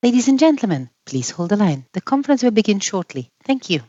Ladies and gentlemen, please hold the line. The conference will begin shortly. Thank you.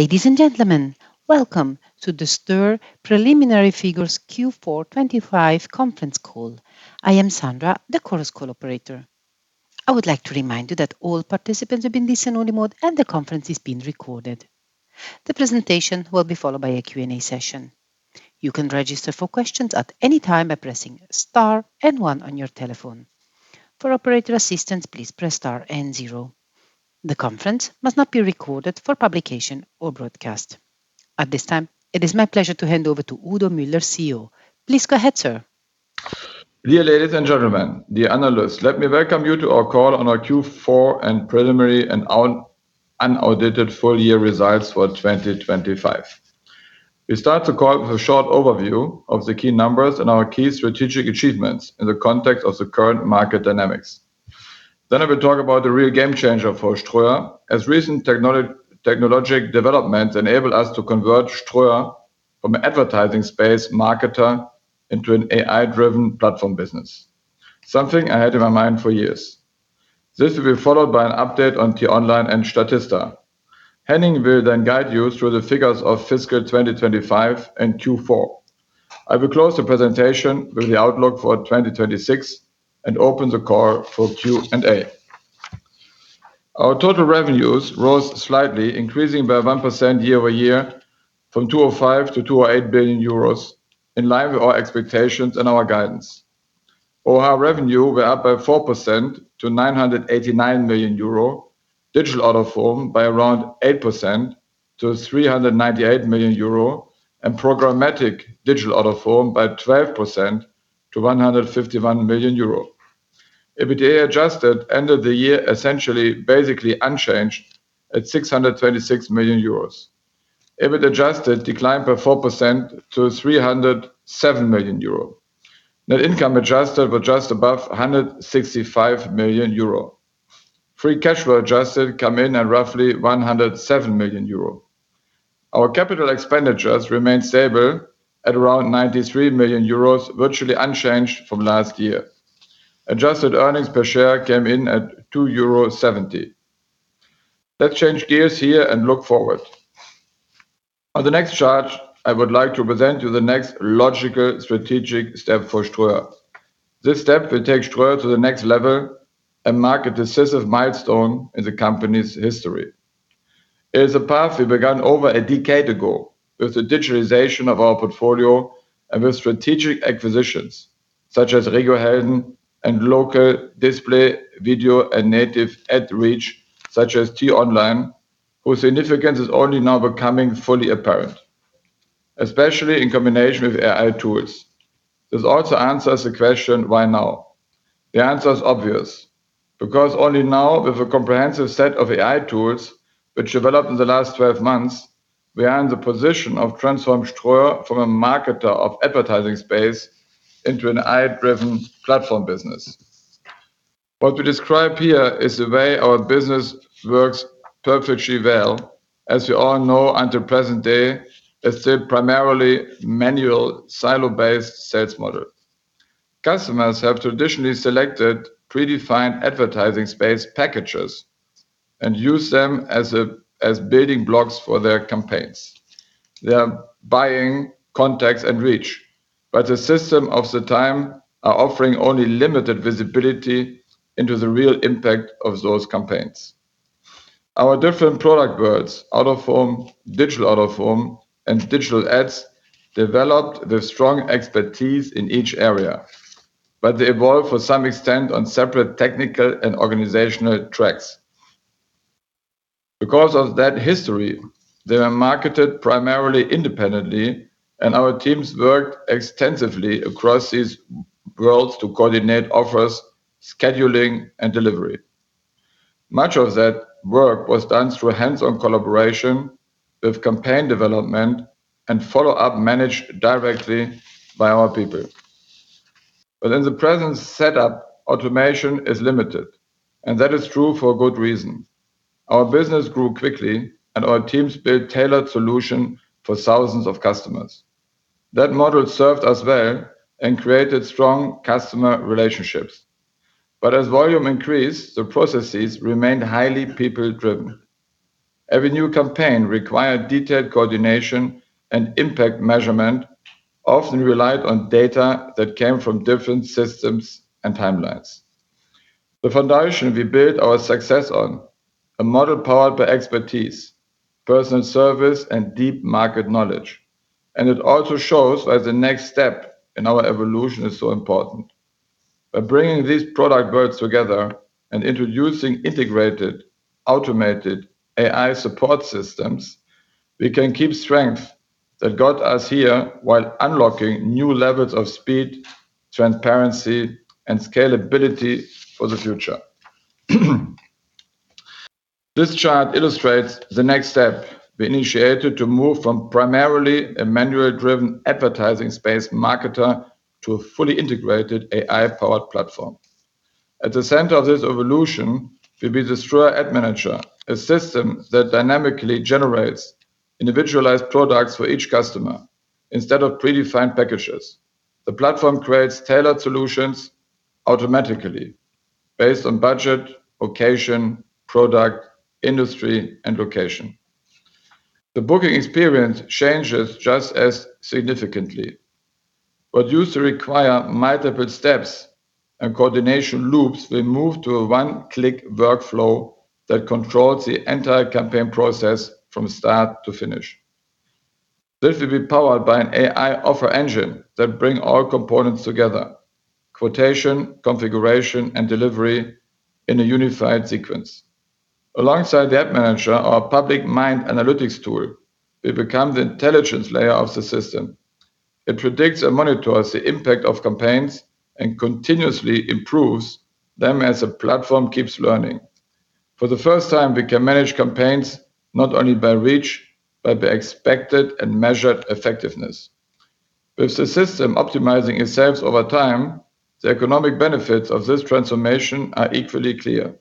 Ladies and gentlemen, welcome to the Ströer Preliminary Figures Q4 2025 conference call. I am Sandra, the Chorus Call operator. I would like to remind you that all participants have been listed in read-only mode, and the conference is being recorded. The presentation will be followed by a Q&A session. You can register for questions at any time by pressing star and one on your telephone. For operator assistance, please press star and zero. The conference must not be recorded for publication or broadcast. At this time, it is my pleasure to hand over to Udo Müller, CEO. Please go ahead, sir. Dear ladies and gentlemen, dear analysts, let me welcome you to our call on our Q4 and preliminary and unaudited full year results for 2025. We start the call with a short overview of the key numbers and our key strategic achievements in the context of the current market dynamics. I will talk about the real game changer for Ströer, as recent technologic developments enable us to convert Ströer from advertising space marketer into an AI-driven platform business, something I had in my mind for years. This will be followed by an update on the online and Statista. Henning will guide you through the figures of fiscal 2025 and Q4. I will close the presentation with the outlook for 2026 and open the call for Q&A. Our total revenues rose slightly, increasing by 1% year-over-year from 205 to 208 billion euros, in line with our expectations and our guidance. Overall revenue were up by 4% to 989 million euro, digital out-of-home by around 8% to 398 million euro, and programmatic digital out-of-home by 12% to 151 million euro. EBITDA adjusted ended the year essentially basically unchanged at 626 million euros. EBIT adjusted declined by 4% to 307 million euro. Net income adjusted were just above 165 million euro. Free cash flow adjusted come in at roughly 107 million euro. Our capital expenditures remained stable at around 93 million euros, virtually unchanged from last year. Adjusted earnings per share came in at 2.70 euro. Let's change gears here and look forward. On the next chart, I would like to present you the next logical strategic step for Ströer. This step will take Ströer to the next level, a market decisive milestone in the company's history. It is a path we began over a decade ago with the digitalization of our portfolio and with strategic acquisitions, such as RegioHelden and local display video and native ad reach, such as T-Online, whose significance is only now becoming fully apparent, especially in combination with AI tools. This also answers the question, why now? The answer is obvious. Only now with a comprehensive set of AI tools which developed in the last 12 months, we are in the position of transform Ströer from a marketer of advertising space into an AI-driven platform business. What we describe here is the way our business works perfectly well. As you all know, until present day, it's still primarily manual silo-based sales model. Customers have traditionally selected predefined advertising space packages and used them as building blocks for their campaigns. They are buying contacts and reach, the system of the time are offering only limited visibility into the real impact of those campaigns. Our different product worlds, out-of-home, digital out-of-home, and digital ads developed with strong expertise in each area, but they evolved for some extent on separate technical and organizational tracks. Because of that history, they were marketed primarily independently, and our teams worked extensively across these worlds to coordinate offers, scheduling, and delivery. Much of that work was done through hands-on collaboration with campaign development and follow-up managed directly by our people. In the present setup, automation is limited, and that is true for a good reason. Our business grew quickly. Our teams built tailored solutions for thousands of customers. That model served us well and created strong customer relationships. As volume increased, the processes remained highly people-driven. Every new campaign required detailed coordination. Impact measurement often relied on data that came from different systems and timelines. The foundation we built our success on, a model powered by expertise, personal service, and deep market knowledge. It also shows why the next step in our evolution is so important. By bringing these product worlds together and introducing integrated, automated AI support systems, we can keep strengths that got us here while unlocking new levels of speed, transparency, and scalability for the future. This chart illustrates the next step we initiated to move from primarily a manual-driven advertising space marketer to a fully integrated AI-powered platform. At the center of this evolution will be the Ströer Ad Manager, a system that dynamically generates individualized products for each customer instead of predefined packages. The platform creates tailored solutions automatically based on budget, location, product, industry, and location. The booking experience changes just as significantly. What used to require multiple steps and coordination loops will move to a one-click workflow that controls the entire campaign process from start to finish. This will be powered by an AI offer engine that bring all components together: quotation, configuration, and delivery in a unified sequence. Alongside the Ad Manager, our Public Mind analytics tool, it become the intelligence layer of the system. It predicts and monitors the impact of campaigns and continuously improves them as the platform keeps learning. For the first time, we can manage campaigns not only by reach but by expected and measured effectiveness. With the system optimizing itself over time, the economic benefits of this transformation are equally clear.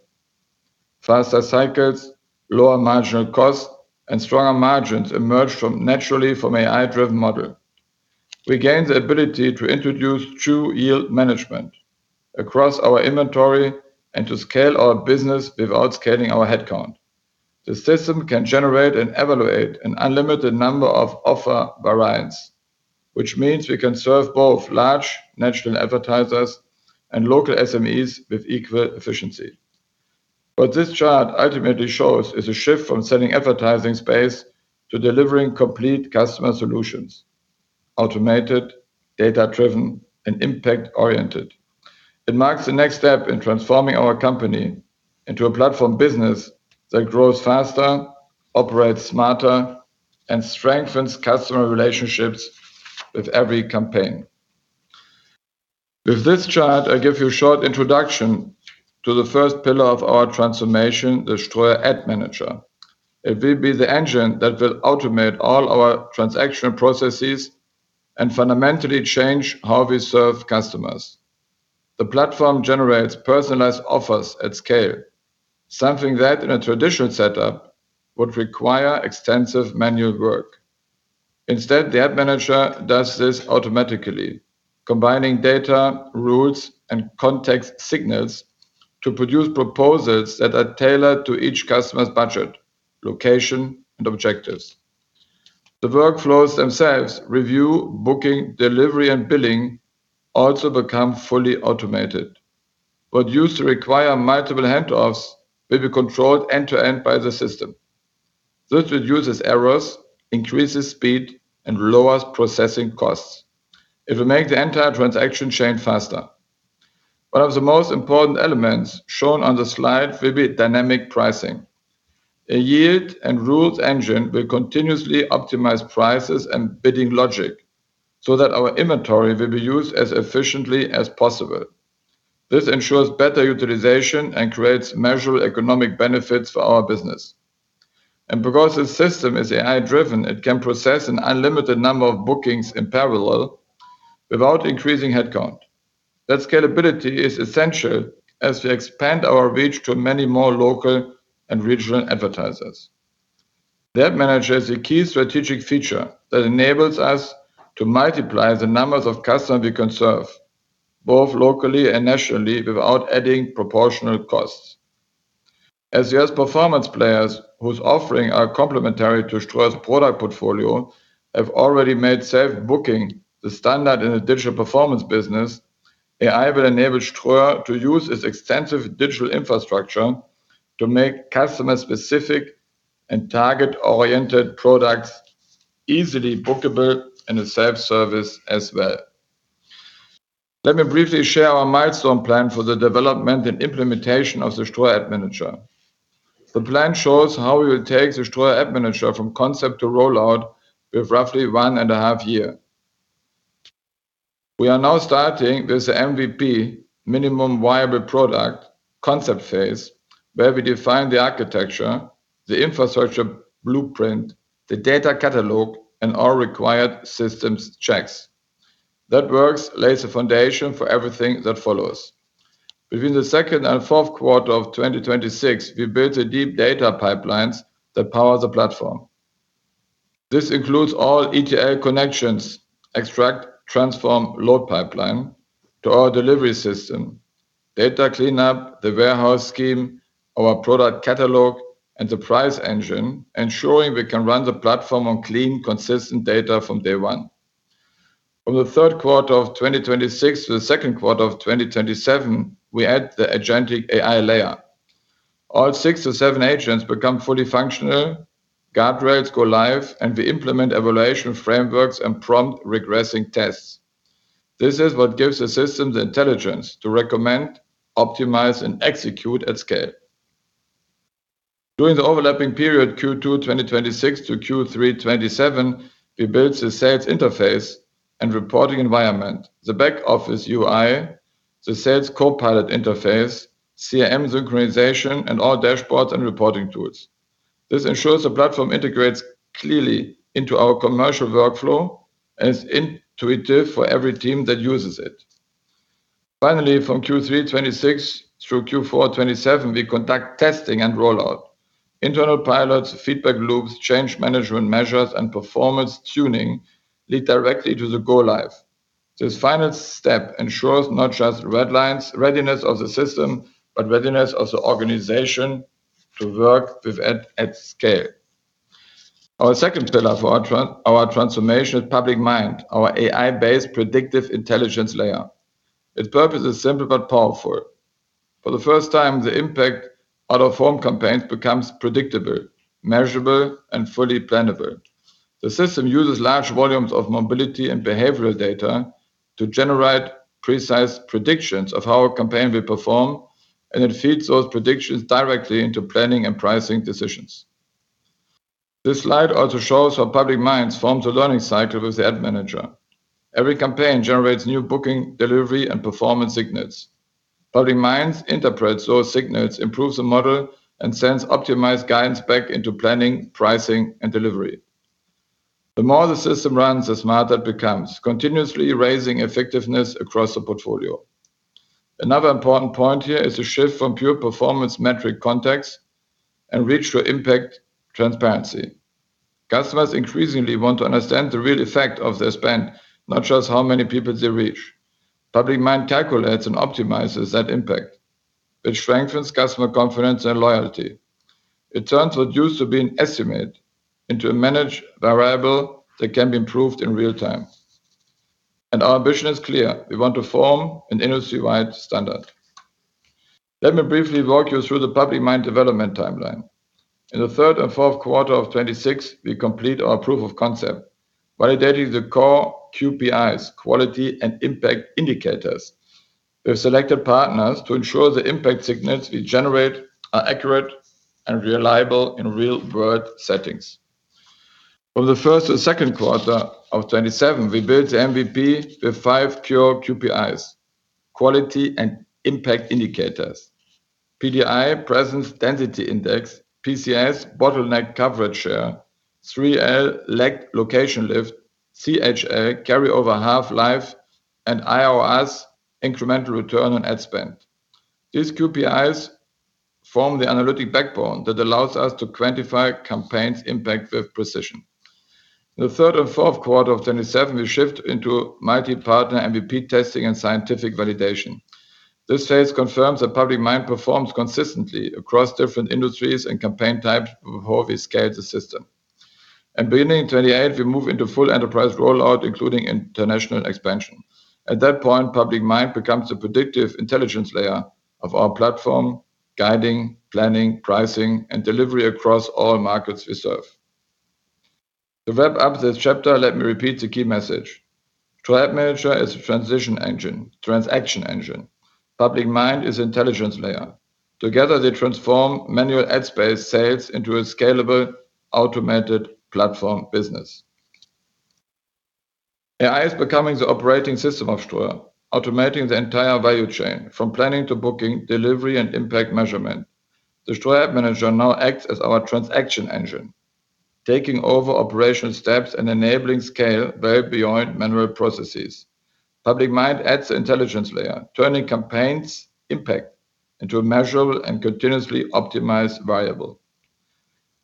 Faster cycles, lower marginal costs, and stronger margins emerge naturally from AI-driven model. We gain the ability to introduce true yield management across our inventory and to scale our business without scaling our headcount. The system can generate and evaluate an unlimited number of offer variants, which means we can serve both large national advertisers and local SMEs with equal efficiency. What this chart ultimately shows is a shift from selling advertising space to delivering complete customer solutions: automated, data-driven, and impact-oriented. It marks the next step in transforming our company into a platform business that grows faster, operates smarter, and strengthens customer relationships with every campaign. With this chart, I give you a short introduction to the first pillar of our transformation, the Ströer Ad Manager. It will be the engine that will automate all our transactional processes and fundamentally change how we serve customers. The platform generates personalized offers at scale, something that in a traditional setup would require extensive manual work. Instead, the Ad Manager does this automatically, combining data, rules, and context signals to produce proposals that are tailored to each customer's budget, location, and objectives. The workflows themselves, review, booking, delivery, and billing, also become fully automated. What used to require multiple handoffs will be controlled end to end by the system. This reduces errors, increases speed, and lowers processing costs. It will make the entire transaction chain faster. One of the most important elements shown on the slide will be dynamic pricing. A yield and rules engine will continuously optimize prices and bidding logic so that our inventory will be used as efficiently as possible. This ensures better utilization and creates measurable economic benefits for our business. Because the system is AI-driven, it can process an unlimited number of bookings in parallel without increasing headcount. That scalability is essential as we expand our reach to many more local and regional advertisers. That manager is a key strategic feature that enables us to multiply the numbers of customers we can serve, both locally and nationally, without adding proportional costs. As U.S. performance players whose offering are complementary to Ströer's product portfolio have already made self-booking the standard in the digital performance business, AI will enable Ströer to use its extensive digital infrastructure to make customer-specific and target-oriented products easily bookable in a self-service as well. Let me briefly share our milestone plan for the development and implementation of the Ströer Ad Manager. The plan shows how we will take the Ströer Ad Manager from concept to rollout with roughly 1.5 years. We are now starting this MVP, minimum viable product, concept phase, where we define the architecture, the infrastructure blueprint, the data catalog, and all required system checks. That work lays the foundation for everything that follows. Between the 2nd and 4th quarter of 2026, we built the deep data pipelines that power the platform. This includes all ETL connections, extract, transform, load pipeline, to our delivery system, data cleanup, the warehouse schema, our product catalog, and the price engine, ensuring we can run the platform on clean, consistent data from day one. From the 3rd quarter of 2026 to the 2nd quarter of 2027, we add the agentic AI layer. All six to seven agents become fully functional, guardrails go live, and we implement evaluation frameworks and prompt regressing tests. This is what gives the system the intelligence to recommend, optimize, and execute at scale. During the overlapping period Q2 2026 to Q3 2027, we built the sales interface and reporting environment, the back office UI, the sales co-pilot interface, CRM synchronization, and all dashboards and reporting tools. This ensures the platform integrates clearly into our commercial workflow and is intuitive for every team that uses it. Finally, from Q3 2026 through Q4 2027, we conduct testing and rollout. Internal pilots, feedback loops, change management measures, and performance tuning lead directly to the go live. This final step ensures not just red lines, readiness of the system, but readiness of the organization to work with it at scale. Our second pillar for our transformation is Public Mind, our AI-based predictive intelligence layer. Its purpose is simple but powerful. For the first time, the impact out-of-home campaigns becomes predictable, measurable, and fully plannable. The system uses large volumes of mobility and behavioral data to generate precise predictions of how a campaign will perform, and it feeds those predictions directly into planning and pricing decisions. This slide also shows how Public Mind forms a learning cycle with the Ad Manager. Every campaign generates new booking, delivery, and performance signals. Public Mind interprets those signals, improves the model, and sends optimized guidance back into planning, pricing, and delivery. The more the system runs, the smarter it becomes, continuously raising effectiveness across the portfolio. Another important point here is the shift from pure performance metric context and reach to impact transparency. Customers increasingly want to understand the real effect of their spend, not just how many people they reach. Public Mind calculates and optimizes that impact, which strengthens customer confidence and loyalty. It turns what used to be an estimate into a managed variable that can be improved in real time. Our ambition is clear. We want to form an industry-wide standard. Let me briefly walk you through the Public Mind development timeline. In the third and fourth quarter of 2026, we complete our proof of concept, validating the core QPIs, quality and impact indicators, with selected partners to ensure the impact signals we generate are accurate and reliable in real-world settings. From the first to second quarter of 2027, we build the MVP with five pure QPIs, quality and impact indicators. PDI, presence density index, PCS, bottleneck coverage share, 3L, lagged location lift, CHA, carry over half-life, and IROS, incremental return on ad spend. These QPIs form the analytic backbone that allows us to quantify a campaign's impact with precision. In the third and fourth quarter of 2027, we shift into multi-partner MVP testing and scientific validation. This phase confirms that Public Mind performs consistently across different industries and campaign types before we scale the system. Beginning in 2028, we move into full enterprise rollout, including international expansion. At that point, Public Mind becomes a predictive intelligence layer of our platform, guiding, planning, pricing, and delivery across all markets we serve. To wrap up this chapter, let me repeat the key message. Ad Manager is a transaction engine. Public Mind is intelligence layer. Together, they transform manual ad space sales into a scalable automated platform business. AI is becoming the operating system of Ströer, automating the entire value chain from planning to booking, delivery, and impact measurement. The Ströer Ad Manager now acts as our transaction engine, taking over operational steps and enabling scale way beyond manual processes. Public Mind adds intelligence layer, turning campaigns impact into a measurable and continuously optimized variable.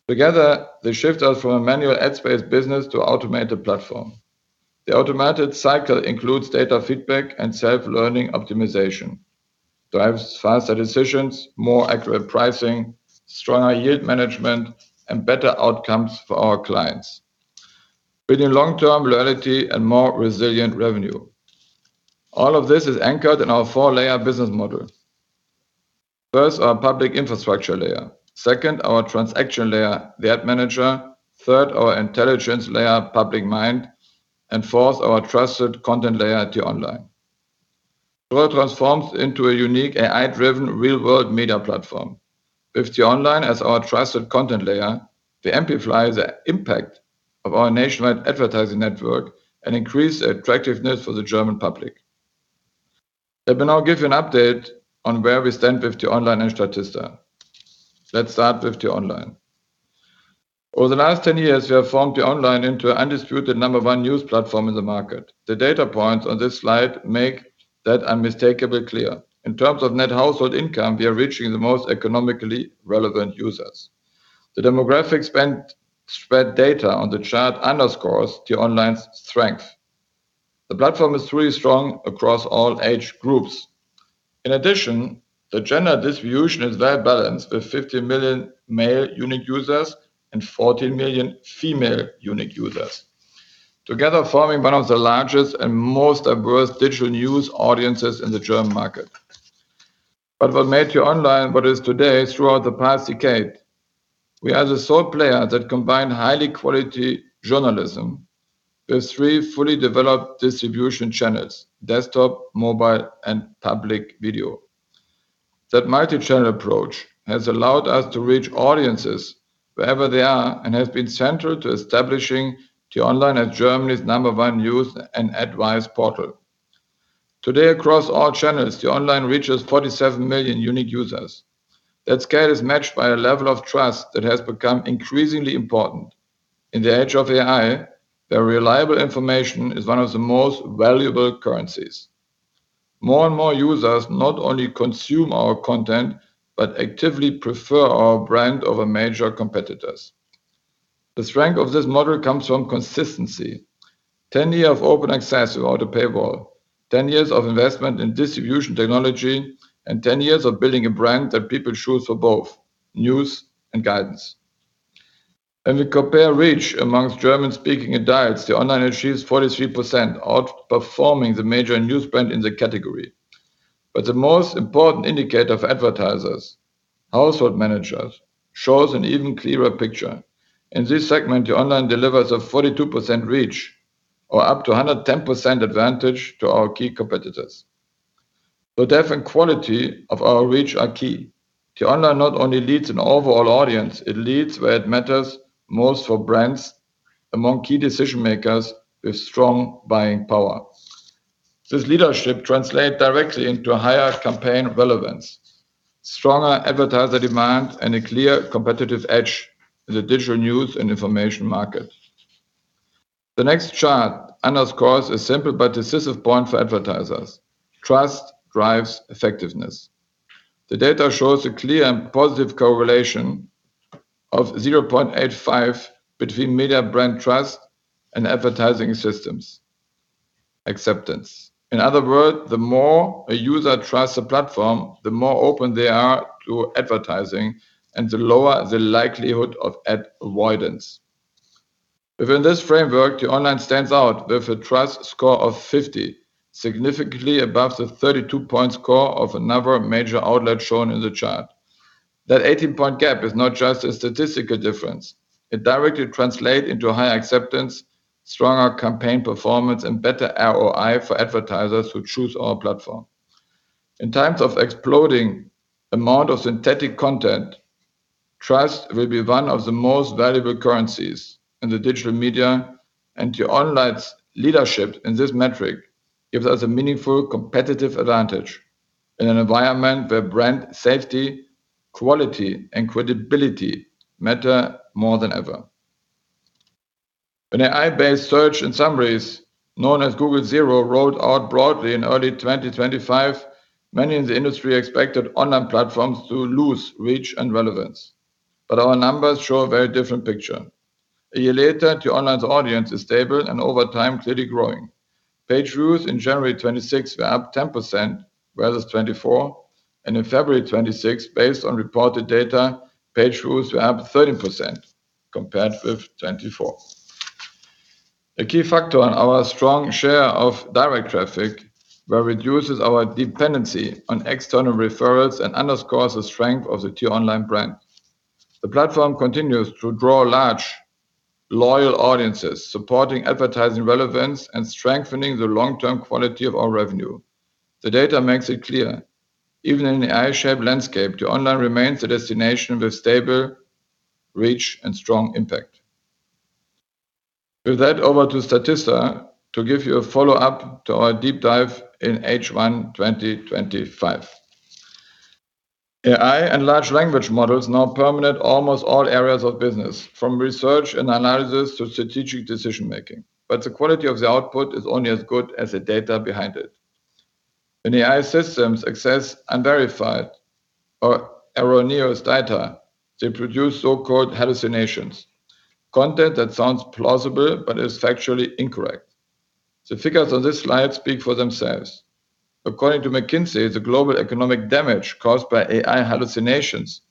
Together, they shift us from a manual ad space business to automated platform. The automated cycle includes data feedback and self-learning optimization, drives faster decisions, more accurate pricing, stronger yield management, and better outcomes for our clients. Building long-term loyalty and more resilient revenue. All of this is anchored in our four-layer business model. First, our public infrastructure layer. Second, our transaction layer, the Ad Manager. Third, our intelligence layer, Public Mind. Fourth, our trusted content layer, T-Online. Ströer transforms into a unique AI-driven real-world media platform. With t-online as our trusted content layer, they amplify the impact of our nationwide advertising network and increase attractiveness for the German public. Let me now give you an update on where we stand with t-online and Statista. Let's start with t-online. Over the last 10 years, we have formed t-online into undisputed number one news platform in the market. The data points on this slide make that unmistakably clear. In terms of net household income, we are reaching the most economically relevant users. The demographic span, spread data on the chart underscores t-online's strength. The platform is really strong across all age groups. In addition, the gender distribution is well balanced, with 50 million male unique users and 14 million female unique users. Together, forming one of the largest and most diverse digital news audiences in the German market. What made t-online what is today throughout the past decade, we are the sole player that combined highly quality journalism with three fully developed distribution channels: desktop, mobile, and public video. That multi-channel approach has allowed us to reach audiences wherever they are and has been central to establishing t-online as Germany's number one news and advice portal. Today, across all channels, t-online reaches 47 million unique users. That scale is matched by a level of trust that has become increasingly important. In the age of AI, where reliable information is one of the most valuable currencies. More and more users not only consume our content, but actively prefer our brand over major competitors. The strength of this model comes from consistency. 10 year of open access without a paywall, 10 years of investment in distribution technology, 10 years of building a brand that people choose for both news and guidance. When we compare reach amongst German-speaking adults, t-online achieves 43%, outperforming the major news brand in the category. The most important indicator of advertisers, household managers, shows an even clearer picture. In this segment, t-online delivers a 42% reach or up to 110% advantage to our key competitors. The depth and quality of our reach are key. t-online not only leads in overall audience, it leads where it matters most for brands among key decision-makers with strong buying power. This leadership translate directly into a higher campaign relevance, stronger advertiser demand, and a clear competitive edge in the digital news and information market. The next chart underscores a simple but decisive point for advertisers. Trust drives effectiveness. The data shows a clear and positive correlation of 0.85 between media brand trust and advertising systems acceptance. In other words, the more a user trusts a platform, the more open they are to advertising and the lower the likelihood of ad avoidance. Within this framework, t-online stands out with a trust score of 50, significantly above the 32 point score of another major outlet shown in the chart. That 18-point gap is not just a statistical difference. It directly translate into a higher acceptance, stronger campaign performance, and better ROI for advertisers who choose our platform. In times of exploding amount of synthetic content, trust will be one of the most valuable currencies in the digital media, and t-online's leadership in this metric gives us a meaningful competitive advantage in an environment where brand safety, quality, and credibility matter more than ever. An AI-based search and summaries known as Google Zero rolled out broadly in early 2025. Many in the industry expected online platforms to lose reach and relevance, Our numbers show a very different picture. A year later, t-online's audience is stable and over time, clearly growing. Page views in January 2026 were up 10% rather than 2024, and in February 2026, based on reported data, page views were up 13% compared with 2024. A key factor on our strong share of direct traffic where reduces our dependency on external referrals and underscores the strength of the t-online brand. The platform continues to draw large, loyal audiences, supporting advertising relevance and strengthening the long-term quality of our revenue. The data makes it clear, even in the AI-shaped landscape, the online remains the destination with stable reach and strong impact. With that, over to Statista to give you a follow-up to our deep dive in H1, 2025. AI and large language models now permanent almost all areas of business, from research and analysis to strategic decision making. The quality of the output is only as good as the data behind it. When AI systems access unverified or erroneous data, they produce so-called hallucinations, content that sounds plausible but is factually incorrect. The figures on this slide speak for themselves. According to McKinsey, the global economic damage caused by AI hallucinations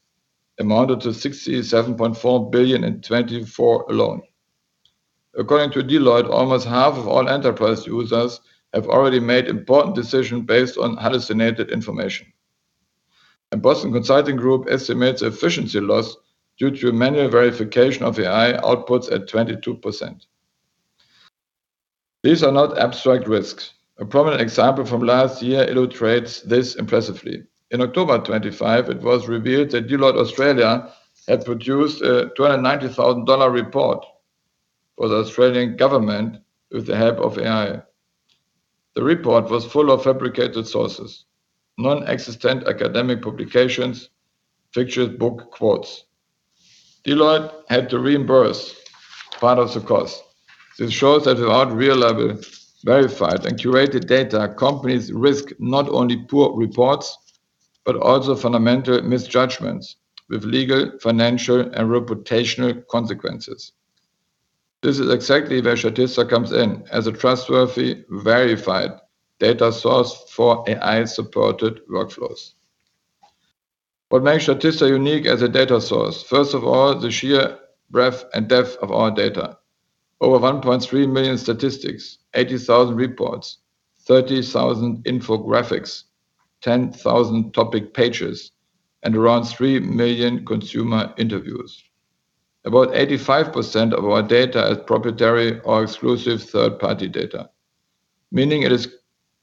amounted to 67.4 billion in 2024 alone. According to Deloitte, almost half of all enterprise users have already made important decision based on hallucinated information. Boston Consulting Group estimates efficiency loss due to manual verification of AI outputs at 22%. These are not abstract risks. A prominent example from last year illustrates this impressively. In October 25, it was revealed that Deloitte Australia had produced a $290,000 report for the Australian government with the help of AI. The report was full of fabricated sources, non-existent academic publications, fictional book quotes. Deloitte had to reimburse part of the cost. This shows that without real level, verified, and curated data, companies risk not only poor reports, but also fundamental misjudgments with legal, financial, and reputational consequences. This is exactly where Statista comes in as a trustworthy, verified data source for AI-supported workflows. What makes Statista unique as a data source? First of all, the sheer breadth and depth of our data. Over 1.3 million statistics, 80,000 reports, 30,000 infographics, 10,000 topic pages, and around 3 million consumer interviews. About 85% of our data is proprietary or exclusive third-party data, meaning it is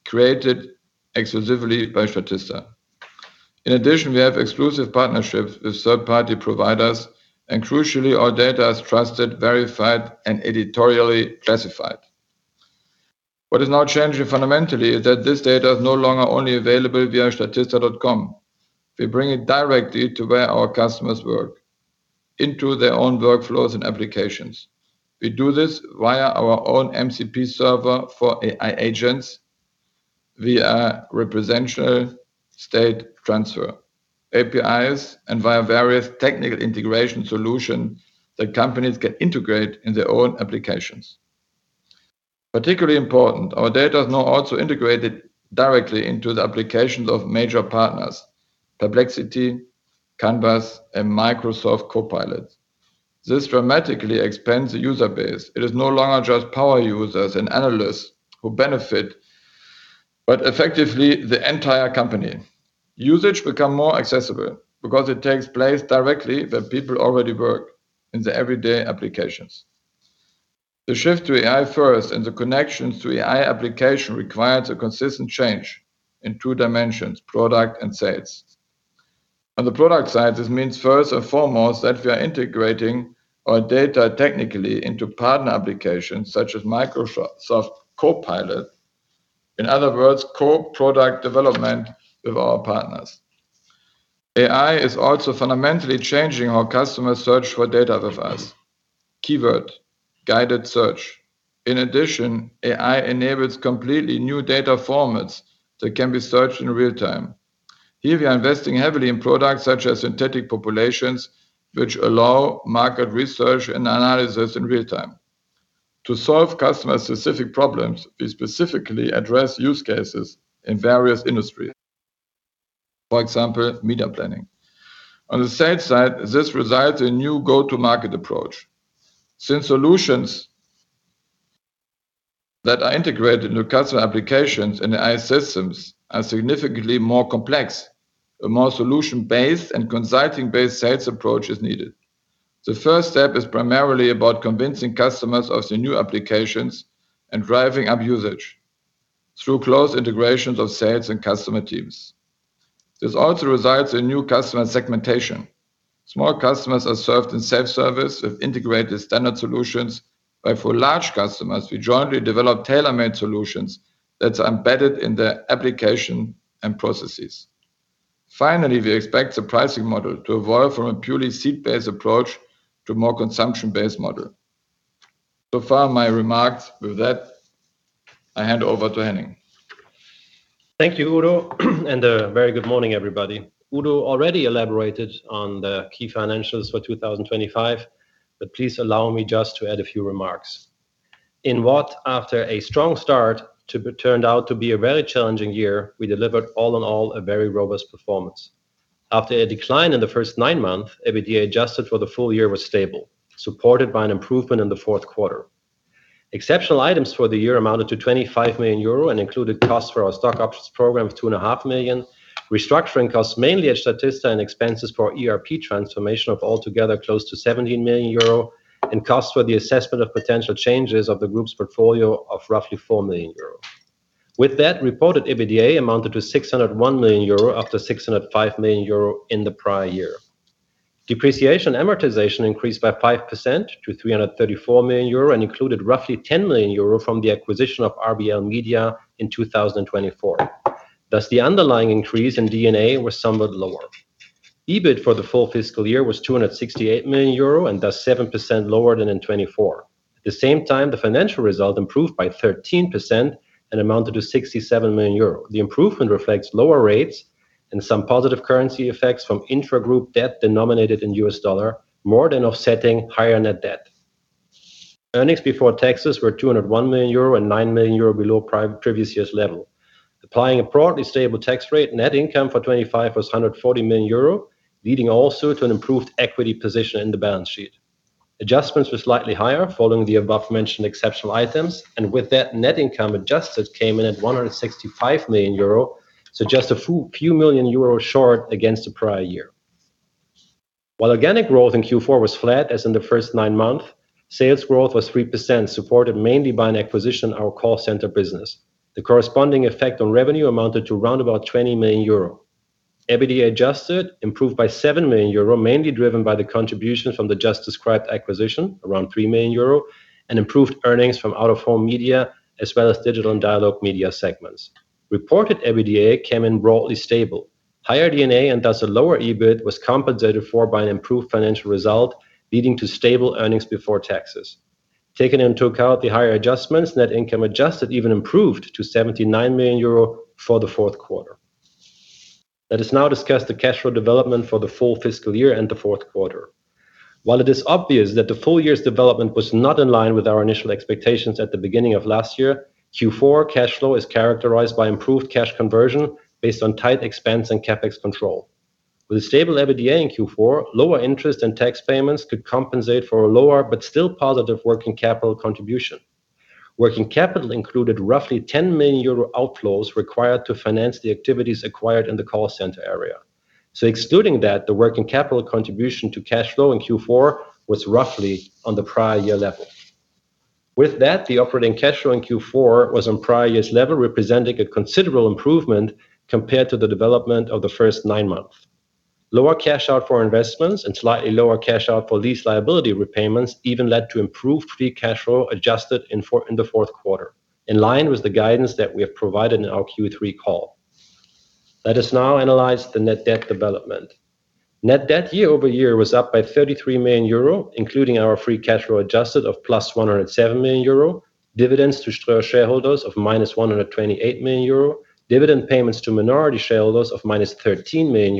created exclusively by Statista. In addition, we have exclusive partnerships with third-party providers, and crucially, our data is trusted, verified, and editorially classified. What is now changing fundamentally is that this data is no longer only available via statista.com. We bring it directly to where our customers work, into their own workflows and applications. We do this via our own MCP server for AI agents via Representational State Transfer, APIs, and via various technical integration solution that companies can integrate in their own applications. Particularly important, our data is now also integrated directly into the applications of major partners, Perplexity, Canvas, and Microsoft Copilot. This dramatically expands the user base. It is no longer just power users and analysts who benefit, but effectively the entire company. Usage become more accessible, because it takes place directly where people already work in the everyday applications. The shift to AI first and the connections to AI application requires a consistent change in two dimensions, product and sales. On the product side, this means first and foremost that we are integrating our data technically into partner applications such as Microsoft Copilot. In other words, co-product development with our partners. AI is also fundamentally changing how customers search for data with us. Keyword, guided search. In addition, AI enables completely new data formats that can be searched in real time. Here, we are investing heavily in products such as synthetic populations, which allow market research and analysis in real time. To solve customer-specific problems, we specifically address use cases in various industry. For example, media planning. On the sales side, this results a new go-to-market approach. Since solutions that are integrated into customer applications and AI systems are significantly more complex, a more solution-based and consulting-based sales approach is needed. The first step is primarily about convincing customers of the new applications and driving up usage through close integrations of sales and customer teams. This also results in new customer segmentation. Small customers are served in self-service with integrated standard solutions, but for large customers, we jointly develop tailor-made solutions that's embedded in their application and processes. Finally, we expect the pricing model to evolve from a purely seat-based approach to more consumption-based model. Far, my remarks. With that, I hand over to Henning. Thank you, Udo, and a very good morning, everybody. Udo already elaborated on the key financials for 2025, but please allow me just to add a few remarks. In what, after a strong start turned out to be a very challenging year, we delivered all in all a very robust performance. After a decline in the first nine months, EBITDA adjusted for the full year was stable, supported by an improvement in the fourth quarter. Exceptional items for the year amounted to 25 million euro and included costs for our stock options program of two and a half million, restructuring costs mainly at Statista and expenses for ERP transformation of altogether close to 17 million euro, and costs for the assessment of potential changes of the group's portfolio of roughly 4 million euro. Reported EBITDA amounted to 601 million euro, up to 605 million euro in the prior year. Depreciation and Amortization increased by 5% to 334 million euro and included roughly 10 million euro from the acquisition of RBL Media in 2024. The underlying increase in D&A was somewhat lower. EBIT for the full fiscal year was 268 million euro and 7% lower than in 2024. At the same time, the financial result improved by 13% and amounted to 67 million euro. The improvement reflects lower rates and some positive currency effects from intra-group debt denominated in US dollar, more than offsetting higher net debt. Earnings before taxes were 201 million euro and 9 million euro below previous year's level. Applying a broadly stable tax rate, net income for 25 was 140 million euro, leading also to an improved equity position in the balance sheet. Adjustments were slightly higher following the above-mentioned exceptional items, and with that, net income adjusted came in at 165 million euro, so just a few million euro short against the prior year. While organic growth in Q4 was flat as in the first nine months, sales growth was 3%, supported mainly by an acquisition our call center business. The corresponding effect on revenue amounted to 20 million euro. EBITDA adjusted improved by 7 million euro, mainly driven by the contribution from the just described acquisition, 3 million euro, and improved earnings from out-of-home media as well as Digital & Dialog Media segments. Reported EBITDA came in broadly stable. Higher D&A and thus a lower EBIT was compensated for by an improved financial result, leading to stable earnings before taxes. Taken into account the higher adjustments, net income adjusted even improved to 79 million euro for the fourth quarter. Let us now discuss the cash flow development for the full fiscal year and the fourth quarter. While it is obvious that the full year's development was not in line with our initial expectations at the beginning of last year, Q4 cash flow is characterized by improved cash conversion based on tight expense and CapEx control. With a stable EBITDA in Q4, lower interest and tax payments could compensate for a lower but still positive working capital contribution. Working capital included roughly 10 million euro outflows required to finance the activities acquired in the call center area. Excluding that, the working capital contribution to cash flow in Q4 was roughly on the prior-year level. With that, the operating cash flow in Q4 was on prior year's level, representing a considerable improvement compared to the development of the first nine months. Lower cash out for investments and slightly lower cash out for lease liability repayments even led to improved free cash flow adjusted in the fourth quarter, in line with the guidance that we have provided in our Q3 call. Let us now analyze the net debt development. Net debt year-over-year was up by 33 million euro, including our free cash flow adjusted of +107 million euro, dividends to Ströer shareholders of -128 million euro, dividend payments to minority shareholders of -13 million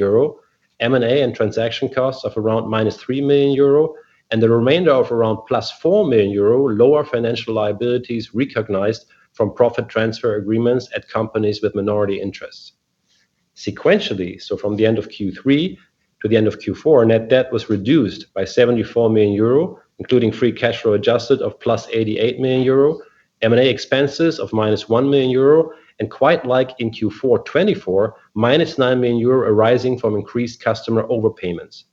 euro, M&A and transaction costs of around -3 million euro, and the remainder of around +4 million euro, lower financial liabilities recognized from profit transfer agreements at companies with minority interests. Sequentially, so from the end of Q3 to the end of Q4, net debt was reduced by 74 million euro, including free cash flow adjusted of +88 million euro, M&A expenses of -1 million euro, and quite like in Q4 2024, -9 million euro arising from increased customer overpayments.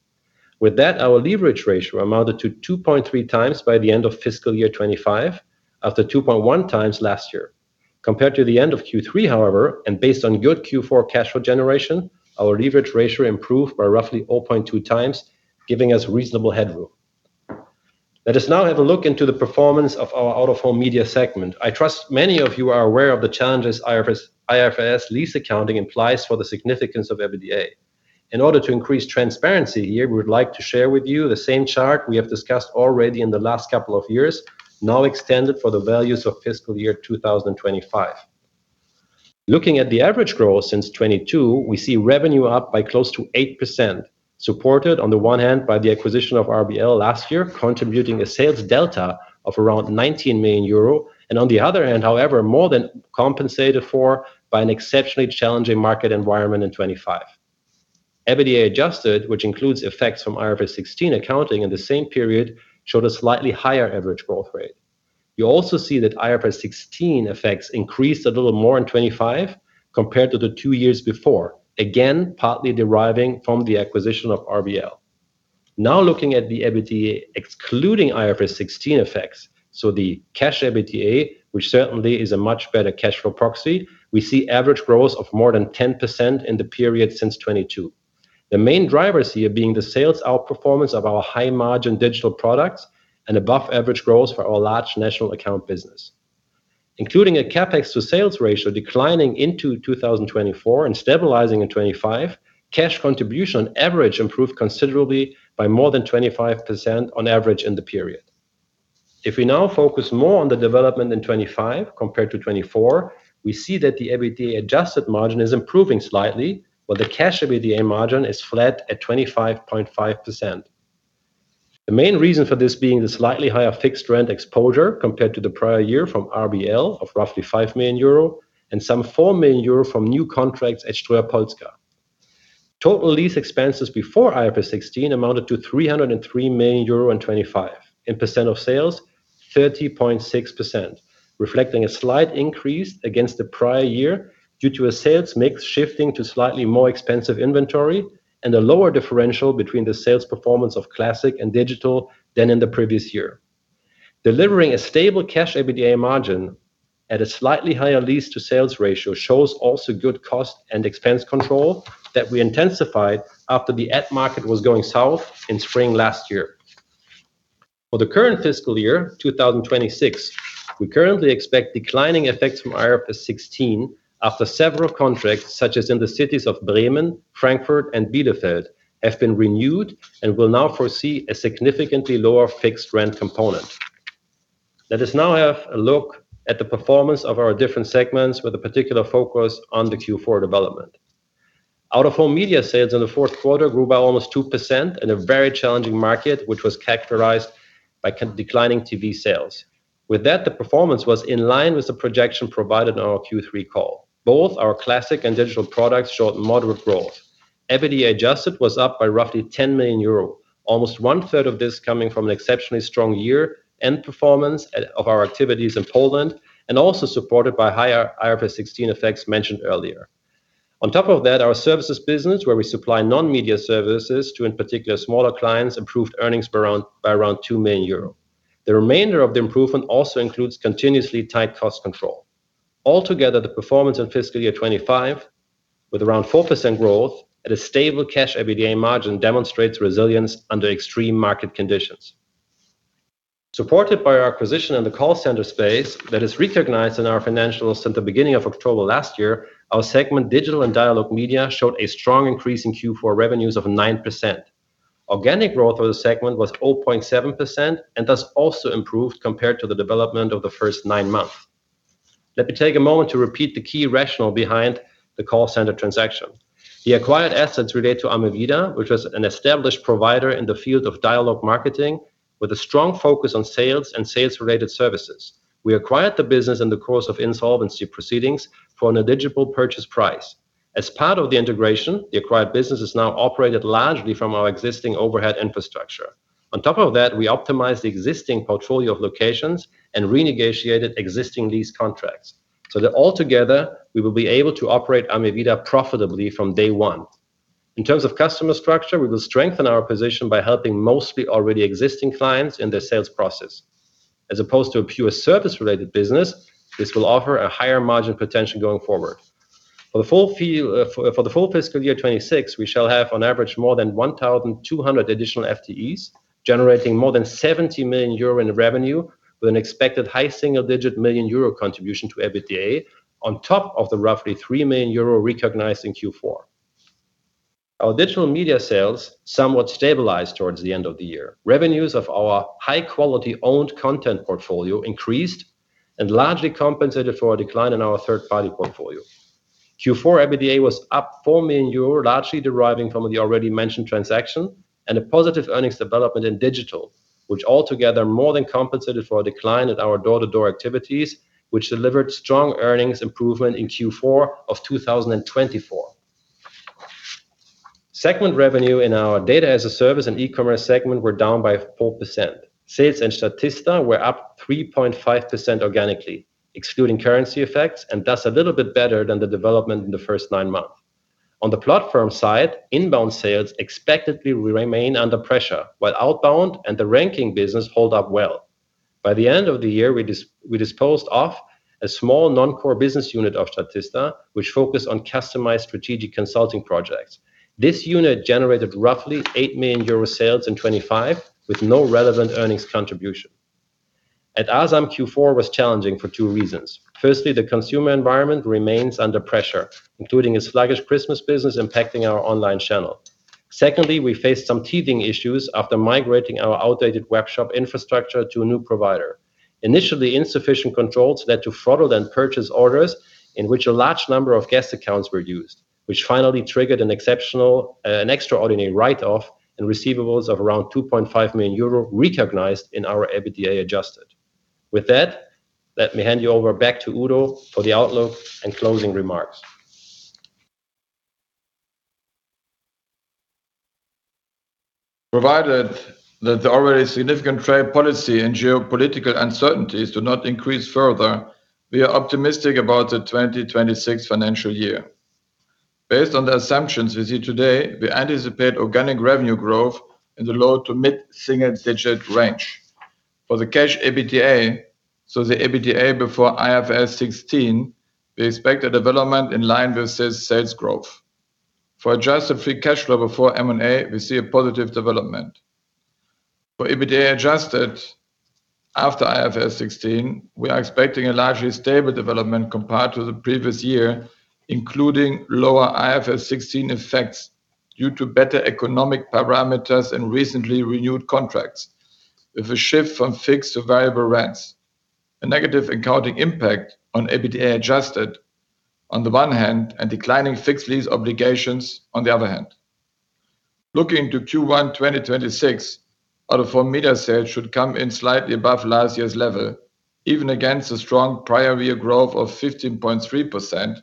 With that, our leverage ratio amounted to 2.3x by the end of fiscal year 2025 after 2.1x last year. Compared to the end of Q3, however, Based on good Q4 cash flow generation, our leverage ratio improved by roughly 0.2x, giving us reasonable headroom. Let us now have a look into the performance of our out-of-home media segment. I trust many of you are aware of the challenges IFRS lease accounting implies for the significance of EBITDA. In order to increase transparency here, we would like to share with you the same chart we have discussed already in the last couple of years, now extended for the values of fiscal year 2025. Looking at the average growth since 2022, we see revenue up by close to 8%, supported on the one hand by the acquisition of RBL last year, contributing a sales delta of around 19 million euro. On the other hand, however, more than compensated for by an exceptionally challenging market environment in 2025. EBITDA adjusted, which includes effects from IFRS 16 accounting in the same period, showed a slightly higher average growth rate. You also see that IFRS 16 effects increased a little more in 2025 compared to the two years before. Again, partly deriving from the acquisition of RBL. Looking at the EBITDA excluding IFRS 16 effects, so the cash EBITDA, which certainly is a much better cash flow proxy, we see average growth of more than 10% in the period since 2022. The main drivers here being the sales outperformance of our high-margin digital products and above-average growth for our large national account business. Including a CapEx to sales ratio declining into 2024 and stabilizing in 25, cash contribution on average improved considerably by more than 25% on average in the period. We now focus more on the development in 25 compared to 24, we see that the EBITDA adjusted margin is improving slightly, while the cash EBITDA margin is flat at 25.5%. The main reason for this being the slightly higher fixed rent exposure compared to the prior year from RBL of roughly 5 million euro and some 4 million euro from new contracts at Ströer Polska. Total lease expenses before IFRS 16 amounted to 303 million euro in 25. In % of sales, 30.6%, reflecting a slight increase against the prior year due to a sales mix shifting to slightly more expensive inventory and a lower differential between the sales performance of Classic and Digital than in the previous year. Delivering a stable cash EBITDA margin at a slightly higher lease to sales ratio shows also good cost and expense control that we intensified after the ad market was going south in spring last year. For the current fiscal year, 2026, we currently expect declining effects from IFRS 16 after several contracts, such as in the cities of Bremen, Frankfurt, and Bielefeld, have been renewed and will now foresee a significantly lower fixed rent component. Let us now have a look at the performance of our different segments with a particular focus on the Q4 development. Out-of-home media sales in the fourth quarter grew by almost 2% in a very challenging market, which was characterized by declining TV sales. With that, the performance was in line with the projection provided on our Q3 call. Both our Classic and Digital products showed moderate growth. EBITDA adjusted was up by roughly 10 million euro, almost one-third of this coming from an exceptionally strong year end performance of our activities in Poland, and also supported by higher IFRS 16 effects mentioned earlier. On top of that, our services business, where we supply non-media services to, in particular, smaller clients, improved earnings by around 2 million euro. The remainder of the improvement also includes continuously tight cost control. Altogether, the performance in fiscal year 2025 with around 4% growth at a stable cash EBITDA margin demonstrates resilience under extreme market conditions. Supported by our acquisition in the call center space that is recognized in our financials since the beginning of October last year, our segment Digital & Dialog Media showed a strong increase in Q4 revenues of 9%. Organic growth of the segment was 0.7% and thus also improved compared to the development of the first nine months. Let me take a moment to repeat the key rationale behind the call center transaction. The acquired assets relate to AMEVIDA, which was an established provider in the field of dialog marketing with a strong focus on sales and sales-related services. We acquired the business in the course of insolvency proceedings for a negligible purchase price. As part of the integration, the acquired business is now operated largely from our existing overhead infrastructure. On top of that, we optimized the existing portfolio of locations and renegotiated existing lease contracts, so that altogether we will be able to operate AMEVIDA profitably from day one. In terms of customer structure, we will strengthen our position by helping mostly already existing clients in their sales process. As opposed to a pure service-related business, this will offer a higher margin potential going forward. For the full fiscal year 2026, we shall have on average more than 1,200 additional FTEs, generating more than 70 million euro in revenue with an expected high single-digit million euro contribution to EBITDA on top of the roughly 3 million euro recognized in Q4. Our Digital Media sales somewhat stabilized towards the end of the year. Revenues of our high-quality owned content portfolio increased and largely compensated for a decline in our third-party portfolio. Q4 EBITDA was up 4 million euro, largely deriving from the already mentioned transaction and a positive earnings development in Digital, which altogether more than compensated for a decline at our door-to-door activities, which delivered strong earnings improvement in Q4 of 2024. Segment revenue in our Data as a Service and eCommerce segment was down by 4%. Sales in Statista were up 3.5% organically, excluding currency effects, and thus a little bit better than the development in the first nine months. On the platform side, inbound sales expectedly will remain under pressure, while outbound and the ranking business hold up well. By the end of the year, we disposed of a small non-core business unit of Statista which focused on customized strategic consulting projects. This unit generated roughly 8 million euro sales in 2025 with no relevant earnings contribution. At asam, Q4 was challenging for two reasons. The consumer environment remains under pressure, including a sluggish Christmas business impacting our online channel. We faced some teething issues after migrating our outdated webshop infrastructure to a new provider. Insufficient controls led to fraudulent purchase orders in which a large number of guest accounts were used, which finally triggered an exceptional, an extraordinary write-off in receivables of around 2.5 million euro recognized in our EBITDA adjusted. Let me hand you over back to Udo Müller for the outlook and closing remarks. Provided that the already significant trade policy and geopolitical uncertainties do not increase further, we are optimistic about the 2026 financial year. Based on the assumptions we see today, we anticipate organic revenue growth in the low to mid single digit range. For the cash EBITDA, so the EBITDA before IFRS 16, we expect a development in line with sales growth. For adjusted free cash flow before M&A, we see a positive development. For EBITDA adjusted after IFRS 16, we are expecting a largely stable development compared to the previous year, including lower IFRS 16 effects. Due to better economic parameters and recently renewed contracts. With a shift from fixed to variable rents. A negative accounting impact on EBITDA adjusted on the one hand, and declining fixed lease obligations on the other hand. Looking to Q1 2026, out-of-home media sales should come in slightly above last year's level, even against a strong prior year growth of 15.3%,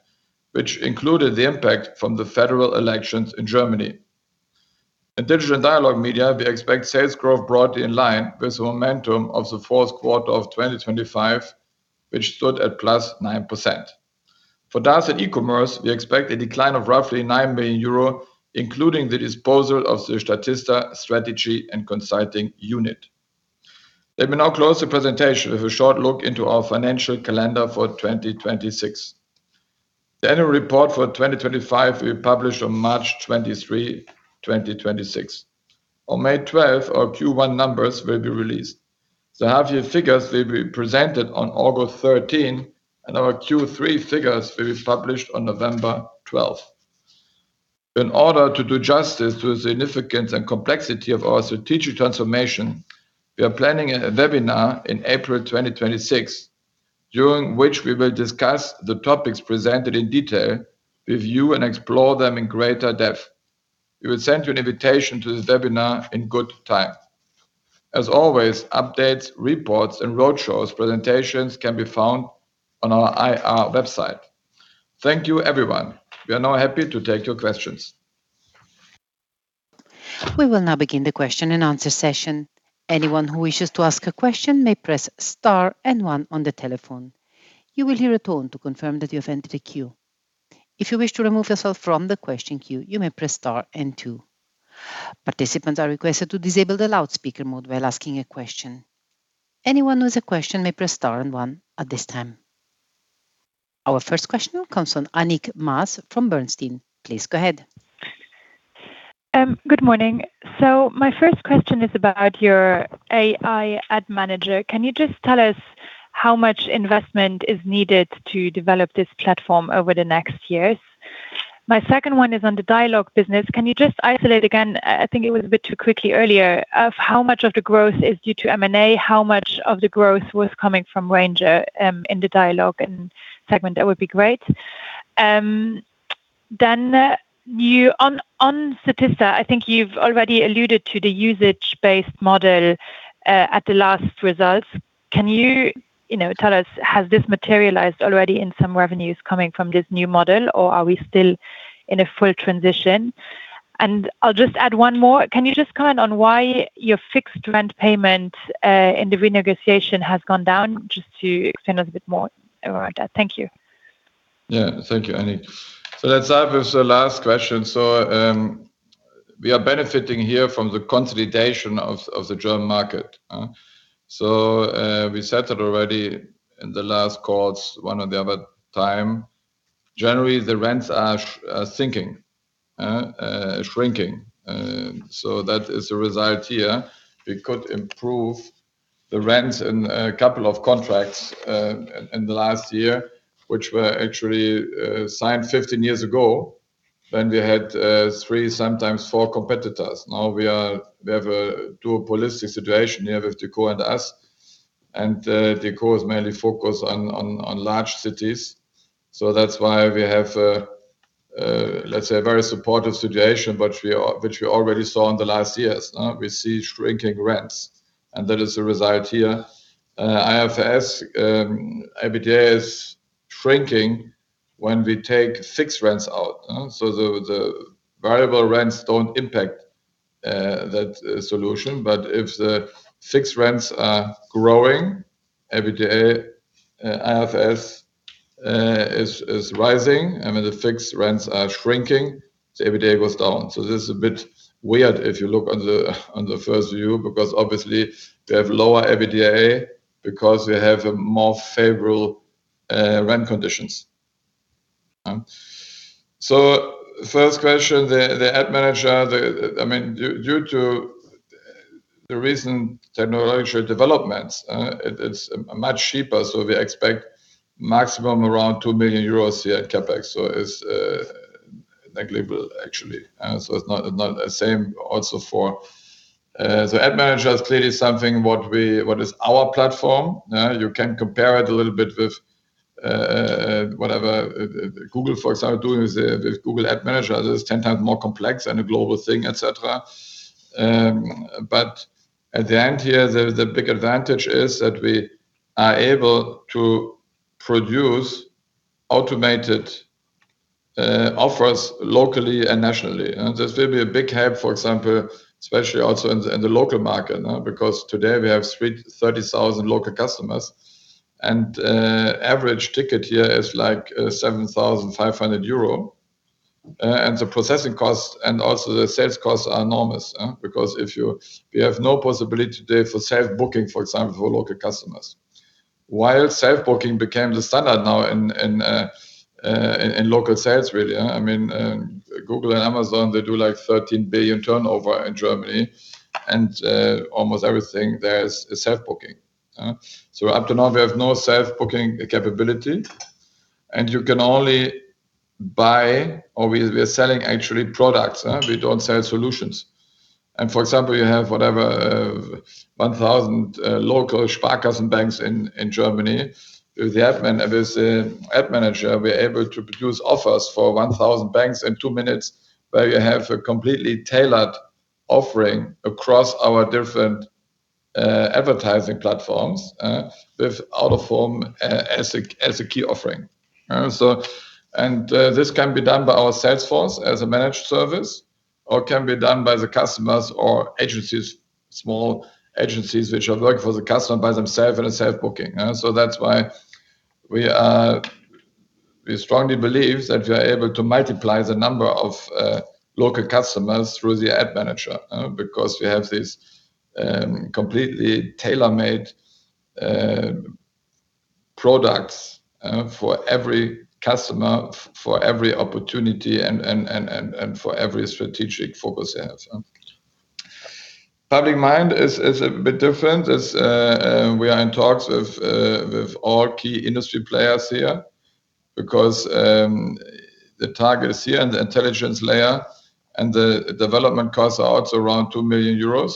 which included the impact from the federal elections in Germany. In Digital & Dialog Media, we expect sales growth broadly in line with the momentum of the fourth quarter of 2025, which stood at +9%. For DACH & eCommerce, we expect a decline of roughly 9 million euro, including the disposal of the Statista strategy and consulting unit. Let me now close the presentation with a short look into our financial calendar for 2026. The annual report for 2025 will be published on March 23, 2026. On May 12, our Q1 numbers will be released. The half-year figures will be presented on August 13, and our Q3 figures will be published on November 12. In order to do justice to the significance and complexity of our strategic transformation, we are planning a webinar in April 2026, during which we will discuss the topics presented in detail, review and explore them in greater depth. We will send you an invitation to this webinar in good time. As always, updates, reports and road shows presentations can be found on our IR website. Thank you, everyone. We are now happy to take your questions. We will now begin the question-and-answer session. Anyone who wishes to ask a question may press star and one on the telephone. You will hear a tone to confirm that you have entered the queue. If you wish to remove yourself from the question queue, you may press star and two. Participants are requested to disable the loudspeaker mode while asking a question. Anyone who has a question may press star and one at this time. Our first question comes from Annick Maas from Bernstein. Please go ahead. Good morning. My first question is about your AI Ad Manager. Can you just tell us how much investment is needed to develop this platform over the next years? My second one is on the dialog business. Can you just isolate again, I think it was a bit too quickly earlier, of how much of the growth is due to M&A, how much of the growth was coming from Ranger in the dialog and segment? That would be great. On Statista, I think you've already alluded to the usage-based model at the last results. Can you know, tell us, has this materialized already in some revenues coming from this new model, or are we still in a full transition? I'll just add one more. Can you just comment on why your fixed rent payment in the renegotiation has gone down? Just to explain a little bit more around that. Thank you. Yeah. Thank you, Annik. Let's start with the last question. We are benefiting here from the consolidation of the German market. We said that already in the last calls, one or the other time. Generally, the rents are shrinking. That is a result here. We could improve the rents in a couple of contracts in the last year, which were actually signed 15 years ago when we had three, sometimes four competitors. Now we have a duopolistic situation. We have Deco and us. Deco is mainly focused on large cities. That's why we have, let's say a very supportive situation, which we already saw in the last years. We see shrinking rents, and that is a result here. IFRS EBITDA is shrinking when we take fixed rents out. The variable rents don't impact that solution. If the fixed rents are growing, EBITDA IFRS is rising. I mean, the fixed rents are shrinking, so EBITDA goes down. This is a bit weird if you look on the first view, because obviously we have lower EBITDA because we have more favorable rent conditions. First question, the Ad Manager. I mean, due to the recent technological developments, it's much cheaper, so we expect maximum around 2 million euros here in CapEx. It's negligible, actually. It's not the same also for... Ad Manager is clearly something what is our platform. You can compare it a little bit with whatever Google, for example, are doing with Google Ad Manager. Theirs is 10 times more complex and a global thing, et cetera. At the end here, the big advantage is that we are able to produce automated offers locally and nationally. This will be a big help, for example, especially also in the local market, because today we have 30,000 local customers. The average ticket here is like 7,500 euro. The processing cost and also the sales costs are enormous, because we have no possibility today for self-booking, for example, for local customers. While self-booking became the standard now in local sales, really. I mean, Google and Amazon, they do like 13 billion turnover in Germany. Almost everything there is self-booking. Up to now, we have no self-booking capability. You can only buy or we're selling actually products, we don't sell solutions. For example, you have whatever, 1,000 local Sparkassen banks in Germany. With the Ad Manager, we are able to produce offers for 1,000 banks in two minutes, where you have a completely tailored offering across our different advertising platforms, with out-of-home as a key offering. This can be done by our sales force as a managed service, or it can be done by the customers or agencies, small agencies which are working for the customer by themselves in a self-booking, so that's why we strongly believe that we are able to multiply the number of local customers through the Ad Manager because we have these completely tailor-made products for every customer, for every opportunity and for every strategic focus they have. Public Mind is a bit different as we are in talks with all key industry players here because the targets here and the intelligence layer and the development costs are also around 2 million euros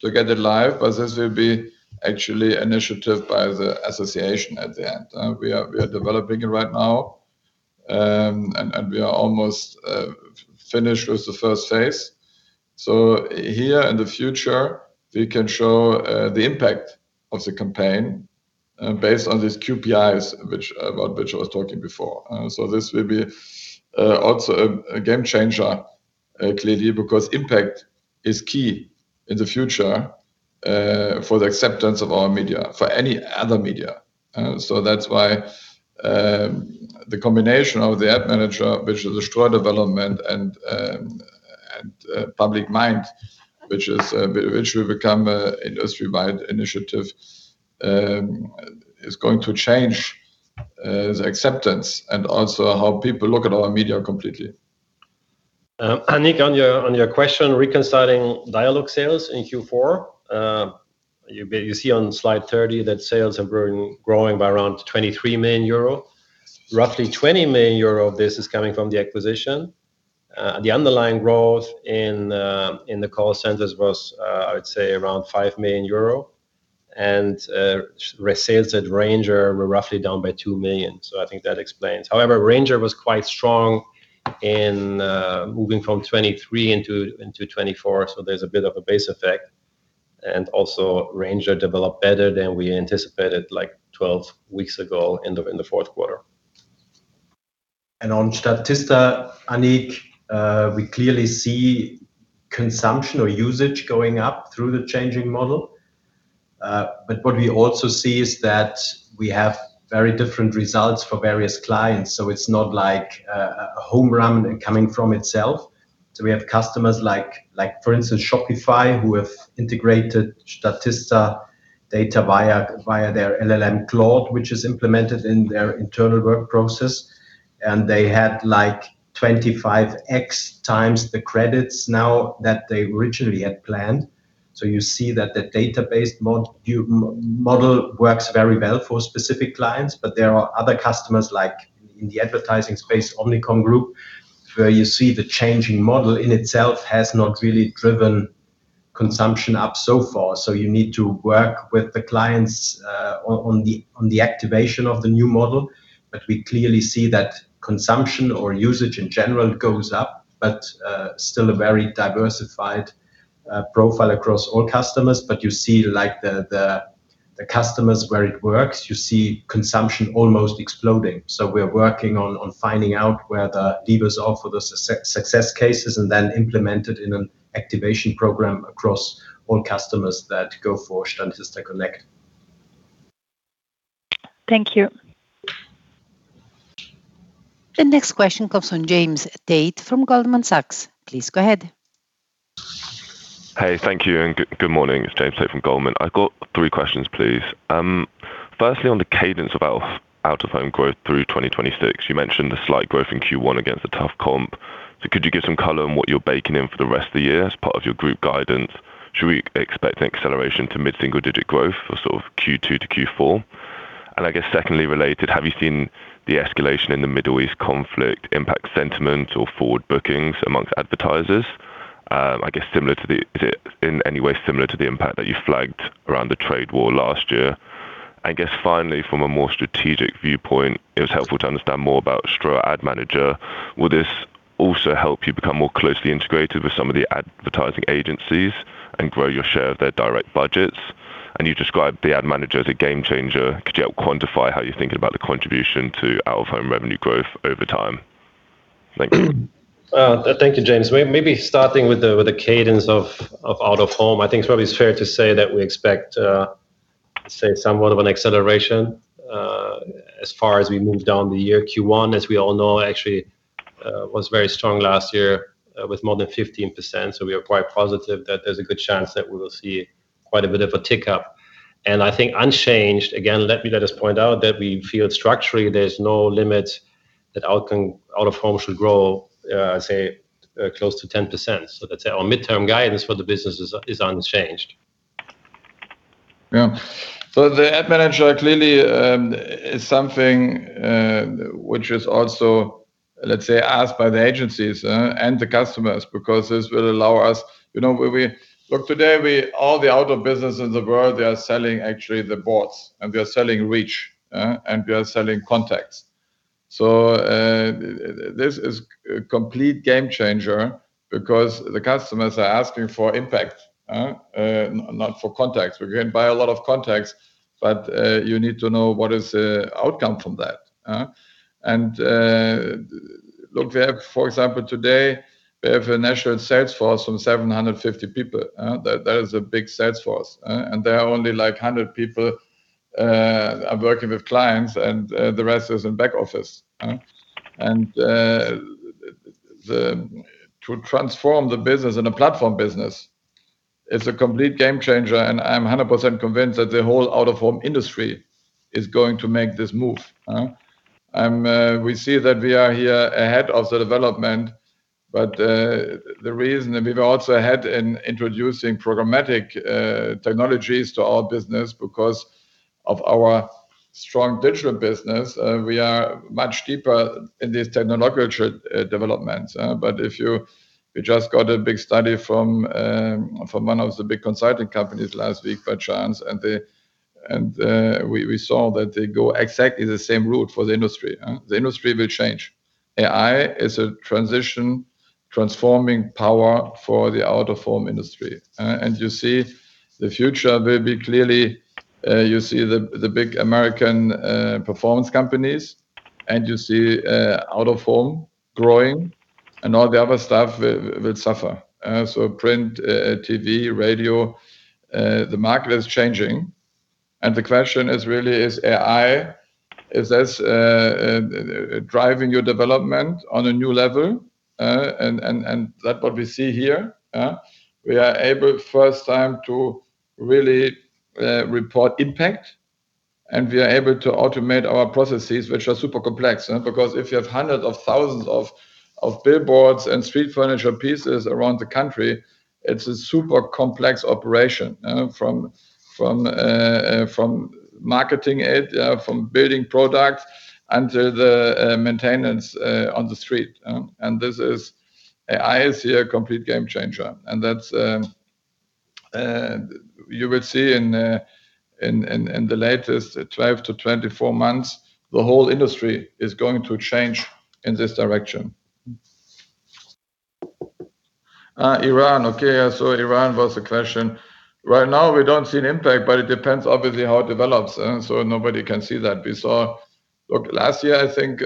to get it live. This will be actually initiative by the association at the end. We are developing it right now, and we are almost finished with the first phase. Here in the future, we can show the impact of the campaign based on these QPIs which what Virgil was talking before. This will be also a game changer, clearly because impact is key in the future for the acceptance of our media, for any other media. That's why the combination of the Ad Manager, which is the Ströer development and Public Mind, which is which will become an industry-wide initiative, is going to change the acceptance and also how people look at our media completely. Annick, on your, on your question, reconciling dialog sales in Q4, you see on slide 30 that sales have grown, growing by around 23 million euro. Roughly 20 million euro of this is coming from the acquisition. The underlying growth in the, in the call centers was, I would say around 5 million euro. Resales at Ranger were roughly down by 2 million. I think that explains. However, Ranger was quite strong in, moving from 2023 into 2024, so there's a bit of a base effect. Also Ranger developed better than we anticipated, like 12 weeks ago in the, in the fourth quarter. On Statista, Annick, we clearly see consumption or usage going up through the changing model. What we also see is that we have very different results for various clients, so it's not like a home run coming from itself. We have customers like for instance, Shopify, who have integrated Statista data via their LLM cloud, which is implemented in their internal work process, and they had like 25x the credits now that they originally had planned. You see that the database model works very well for specific clients, but there are other customers like in the advertising space, Omnicom Group, where you see the changing model in itself has not really driven consumption up so far. You need to work with the clients on the activation of the new model. We clearly see that consumption or usage in general goes up. Still a very diversified profile across all customers. You see like the customers where it works, you see consumption almost exploding. We're working on finding out where the levers are for the success cases and then implement it in an activation program across all customers that go for Statista Connect. Thank you. The next question comes from James Tate from Goldman Sachs. Please go ahead. Hey, thank you and good morning. It's James Tate from Goldman. I've got three questions, please. Firstly, on the cadence of out-of-home growth through 2026, you mentioned the slight growth in Q1 against a tough comp. Could you give some color on what you're baking in for the rest of the year as part of your group guidance? Should we expect an acceleration to mid-single digit growth for sort of Q2 to Q4? I guess secondly related, have you seen the escalation in the Middle East conflict impact sentiment or forward bookings amongst advertisers? Is it in any way similar to the impact that you flagged around the trade war last year? I guess finally, from a more strategic viewpoint, it was helpful to understand more about Ströer Ad Manager. Will this also help you become more closely integrated with some of the advertising agencies and grow your share of their direct budgets? You described the Ad Manager as a game changer. Could you help quantify how you're thinking about the contribution to out-of-home revenue growth over time? Thank you. Thank you, James. Maybe starting with the cadence of out-of-home, I think it's probably fair to say that we expect somewhat of an acceleration as far as we move down the year. Q1, as we all know, actually, was very strong last year with more than 15%. We are quite positive that there's a good chance that we will see quite a bit of a tick up. I think unchanged, again, let us point out that we feel structurally there's no limit that out-of-home should grow close to 10%. Let's say our midterm guidance for the business is unchanged. The Ad Manager clearly is something which is also, let's say, asked by the agencies and the customers because this will allow us, you know. Look, today all the outdoor business in the world, they are selling actually the boards, and they are selling reach, and they are selling contacts. This is a complete game changer because the customers are asking for impact, not for contacts. We can buy a lot of contacts, you need to know what is the outcome from that, huh? Look, we have, for example, today, we have a national sales force from 750 people, that is a big sales force, and there are only like 100 people are working with clients and the rest is in back office. To transform the business in a platform business is a complete game changer, and I'm 100% convinced that the whole out-of-home industry is going to make this move. We see that we are here ahead of the development. The reason that we were also ahead in introducing programmatic technologies to our business because of our strong digital business, we are much deeper in this technological development. We just got a big study from one of the big consulting companies last week by chance, and we saw that they go exactly the same route for the industry. The industry will change. AI is a transition transforming power for the out-of-home industry. You see the future will be clearly, you see the big American, performance companies, and you see, out-of-home growing, and all the other stuff will suffer. Print, TV, radio, the market is changing. The question is really is AI, is this, driving your development on a new level, and, and that what we see here, huh? We are able first time to really, report impact, and we are able to automate our processes, which are super complex, huh, because if you have hundreds of thousands of billboards and street furniture pieces around the country, it's a super complex operation, from marketing it, from building products and to the, maintenance, on the street. This is AI is here a complete game changer. That's, you will see in the latest 12 months to 24 months, the whole industry is going to change in this direction. Eoin. Eoin was a question. Right now, we don't see an impact, but it depends obviously how it develops, so nobody can see that. Look, last year, I think,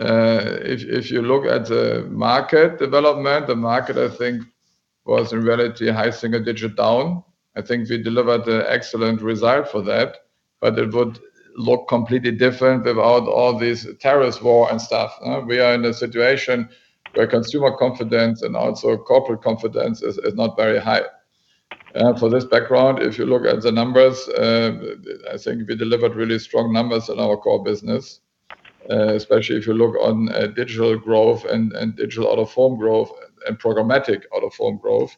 if you look at the market development, the market, I think, was in reality high single-digit down. I think we delivered an excellent result for that. It would look completely different without all this terrorist war and stuff, huh? We are in a situation where consumer confidence and also corporate confidence is not very high. For this background, if you look at the numbers, I think we delivered really strong numbers in our core business, especially if you look on digital growth and digital out-of-home growth and programmatic out-of-home growth.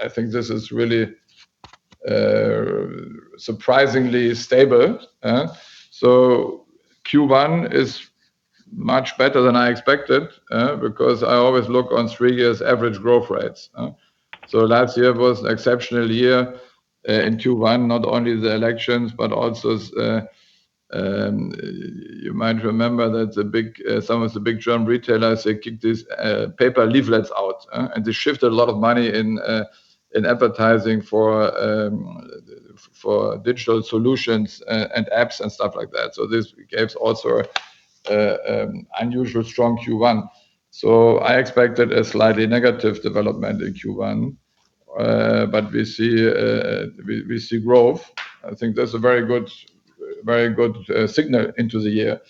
I think this is really surprisingly stable. Q1 is much better than I expected because I always look on three years average growth rates. Last year was exceptional year in Q1, not only the elections, but also you might remember that the big, some of the big German retailers, they kicked these paper leaflets out and they shifted a lot of money in advertising for digital solutions and apps and stuff like that. This gave also a unusual strong Q1. I expected a slightly negative development in Q1. We see growth. I think that's a very good signal into the year.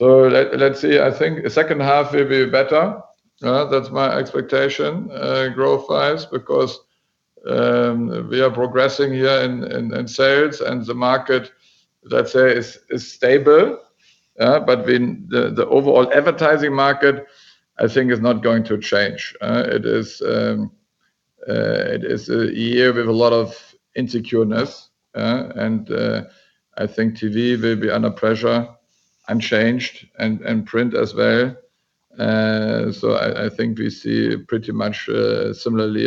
Let's see. I think the second half will be better. That's my expectation, growth wise, because we are progressing here in sales and the market, let's say, is stable. When the overall advertising market, I think is not going to change. It is a year with a lot of insecureness, and I think TV will be under pressure unchanged and print as well. I think we see pretty much similarly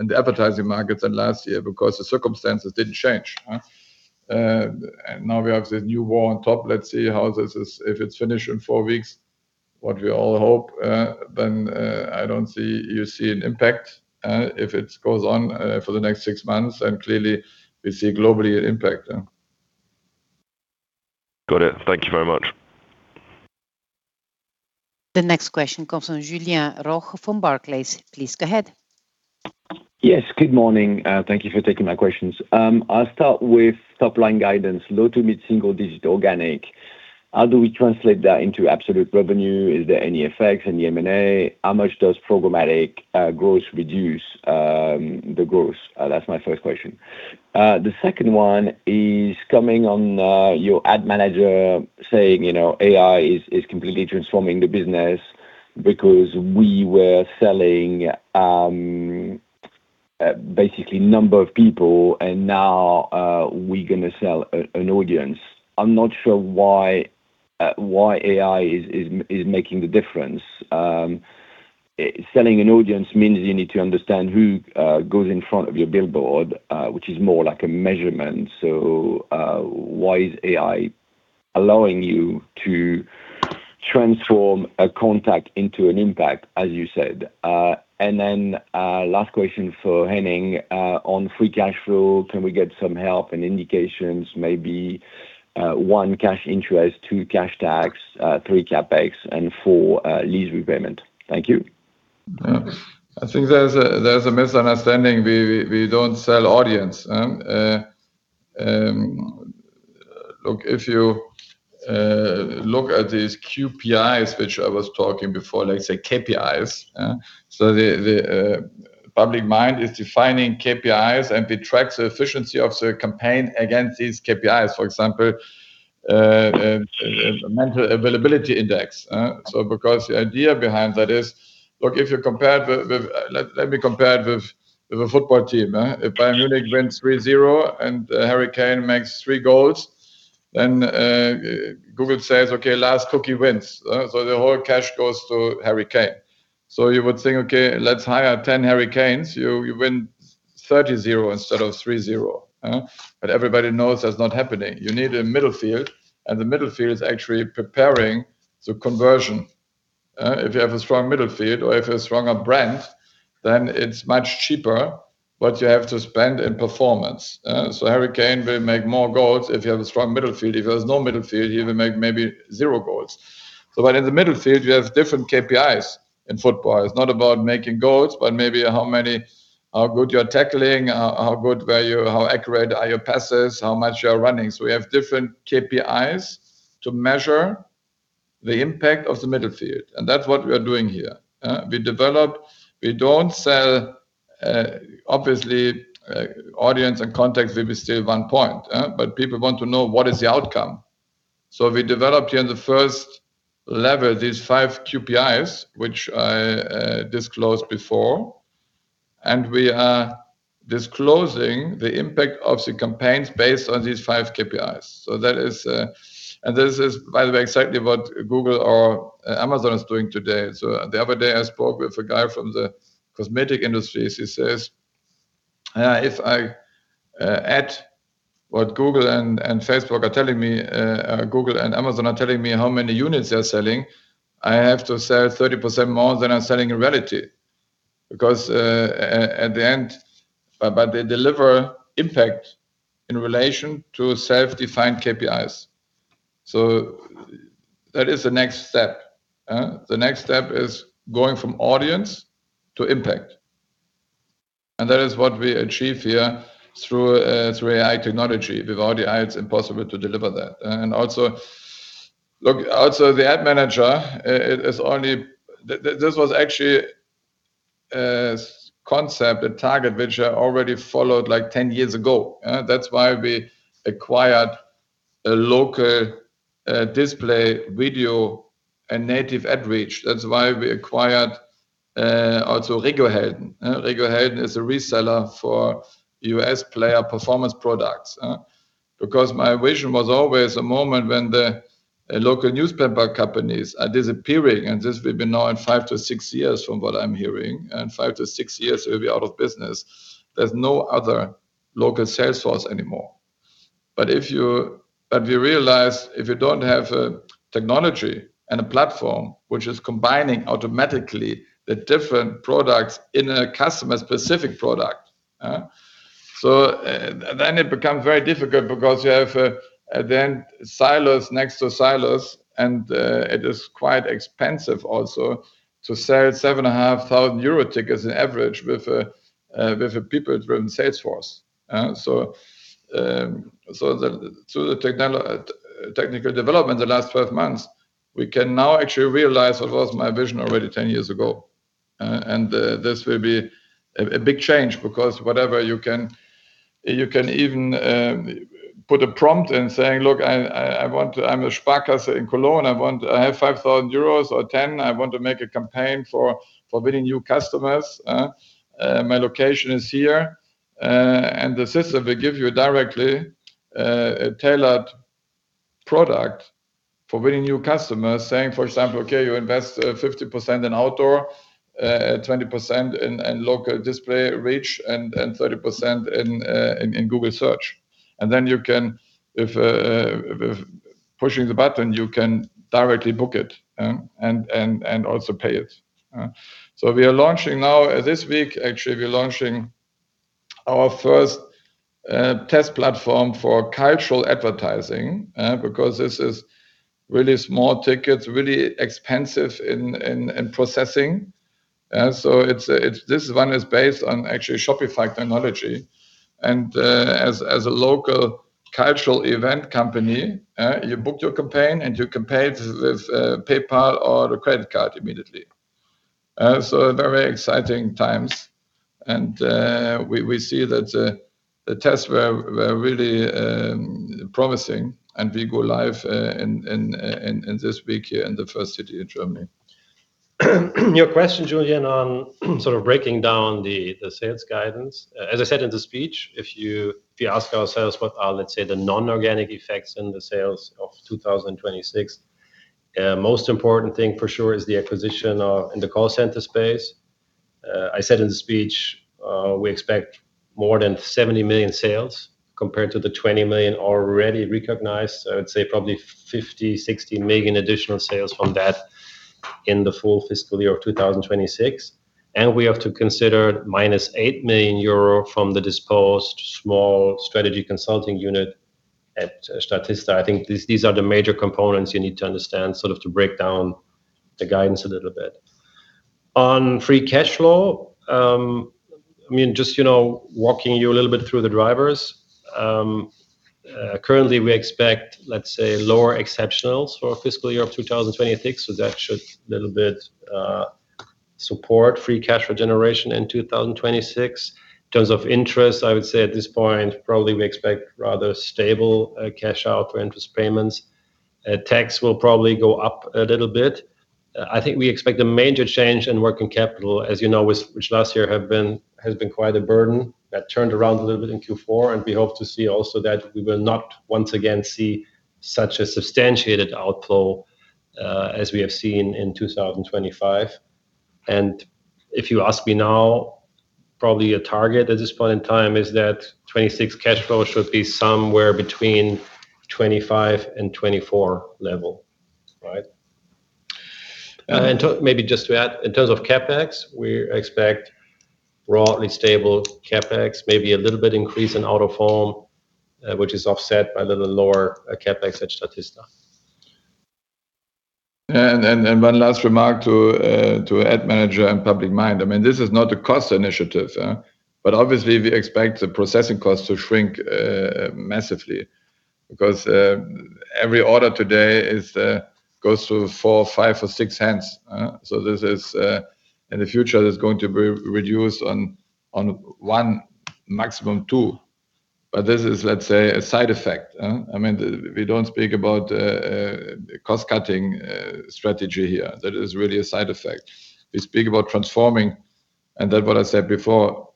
in the advertising market than last year because the circumstances didn't change, huh? Now we have the new war on top. Let's see how this is. If it's finished in four weeks, what we all hope, then, I don't see you see an impact, if it goes on for the next six months. Clearly we see globally an impact. Got it. Thank you very much. The next question comes from Julien Roch from Barclays. Please go ahead. Yes, good morning. Thank you for taking my questions. I'll start with top line guidance, low to mid single digit organic. How do we translate that into absolute revenue? Is there any effects in the M&A? How much does programmatic growth reduce the growth? That's my first question. The second one is coming on your Ströer Ad Manager saying, you know, AI is completely transforming the business. Because we were selling basically number of people and now we're gonna sell an audience. I'm not sure why AI is making the difference. Selling an audience means you need to understand who goes in front of your billboard, which is more like a measurement. Why is AI allowing you to transform a contact into an impact, as you said? Our last question for Henning, on free cash flow, can we get some help and indications, maybe, one, cash interest, two, cash tax, three, CapEx, and four, lease repayment? Thank you. Yeah. I think there's a misunderstanding. We don't sell audience. If you look at these QPIs which I was talking before, let's say KPIs, Public Mind is defining KPIs, and we track the efficiency of the campaign against these KPIs. For example, mental availability index, because the idea behind that is, look, if you compare the... Let me compare with the football team? If Bayern Munich wins 3-0 and Harry Kane makes three goals, Google says, "Okay, last cookie wins," so the whole cash goes to Harry Kane. You would think, "Okay, let's hire 10 Harry Kanes." You win 30-0 instead of 3-0, but everybody knows that's not happening. You need a midfield. The midfield is actually preparing the conversion? If you have a strong midfield or if you have stronger brand, then it's much cheaper what you have to spend in performance. Harry Kane will make more goals if you have a strong midfield. If there's no midfield, he will make maybe zero goals. In the midfield you have different KPIs in football. It's not about making goals, but maybe how good you are tackling, how good were you, how accurate are your passes, how much you are running. We have different KPIs to measure the impact of the midfield, and that's what we are doing here? We develop. We don't sell, obviously, audience and context will be still 1 point, but people want to know what is the outcome. We developed here in the first level these five QPIs, which I disclosed before, and we are disclosing the impact of the campaigns based on these five KPIs. That is. This is, by the way, exactly what Google or Amazon is doing today. The other day I spoke with a guy from the cosmetic industry. He says, "If I add what Google and Facebook are telling me, Google and Amazon are telling me how many units they're selling, I have to sell 30% more than I'm selling in reality because at the end..." But they deliver impact in relation to self-defined KPIs. That is the next step. The next step is going from audience to impact, and that is what we achieve here through AI technology. Without AI, it's impossible to deliver that. Also, look, also the Ad Manager is only... This was actually a concept at Target which I already followed like 10 years ago. That's why we acquired a local, display video and native ad reach. That's why we acquired, also RegioHelden. RegioHelden is a reseller for U.S. player performance products. My vision was always a moment when the local newspaper companies are disappearing, and this will be now in five years to six years from what I'm hearing. In five years to six years, we'll be out of business. There's no other local sales force anymore. We realize if you don't have a technology and a platform which is combining automatically the different products in a customer-specific product, then it becomes very difficult because you have at the end, silos next to silos, and it is quite expensive also to sell 7,500 euro tickets on average with a people-driven sales force. Through the technical development in the last 12 months, we can now actually realize what was my vision already 10 years ago, and this will be a big change because whatever you can. You can even put a prompt in saying, "Look, I want to. I'm a Sparkasse in Cologne. I have 5,000 euros or 10. I want to make a campaign for winning new customers. My location is here." The system will give you directly a tailored product for winning new customers saying, for example, "Okay, you invest 50% in outdoor, 20% in local display reach, and 30% in Google search." Then you can, if pushing the button, you can directly book it, and also pay it. We are launching now, this week actually, we're launching our first test platform for cultural advertising, because this is really small tickets, really expensive in processing. This one is based on actually Shopify technology. As a local cultural event company, you book your campaign and you can pay it with PayPal or a credit card immediately. Very exciting times and we see that the tests were really promising and we go live in this week here in the 1st city in Germany. Your question, Julian, on sort of breaking down the sales guidance. As I said in the speech, if you ask ourselves what are, let's say, the non-organic effects in the sales of 2026, most important thing for sure is the acquisition of in the call center space. I said in the speech, we expect more than 70 million sales compared to the 20 million already recognized. I would say probably 50 million-60 million additional sales from that in the full fiscal year of 2026. We have to consider minus 8 million euro from the disposed small strategy consulting unit at Statista. I think these are the major components you need to understand sort of to break down the guidance a little bit. On free cash flow, just, you know, walking you a little bit through the drivers. Currently we expect, let's say, lower exceptionals for fiscal year of 2026, so that should a little bit support free cash flow generation in 2026. In terms of interest, I would say at this point, probably we expect rather stable cash out for interest payments. Tax will probably go up a little bit. I think we expect a major change in working capital. As you know, with which last year has been quite a burden. That turned around a little bit in Q4, and we hope to see also that we will not once again see such a substantiated outflow as we have seen in 2025. If you ask me now, probably a target at this point in time is that 2026 cash flow should be somewhere between 25 and 24 level, right? Yeah. Maybe just to add, in terms of CapEx, we expect broadly stable CapEx, maybe a little bit increase in out-of-home, which is offset by the lower CapEx at Statista. One last remark to Ad Manager and Public Mind. I mean, this is not a cost initiative, huh? Obviously we expect the processing costs to shrink massively because every order today goes to four, five or six hands, huh? This is in the future, it's going to be reduced on one, maximum two. This is, let's say, a side effect, huh? I mean, we don't speak about a cost-cutting strategy here. That is really a side effect. We speak about transforming, and that what I said before,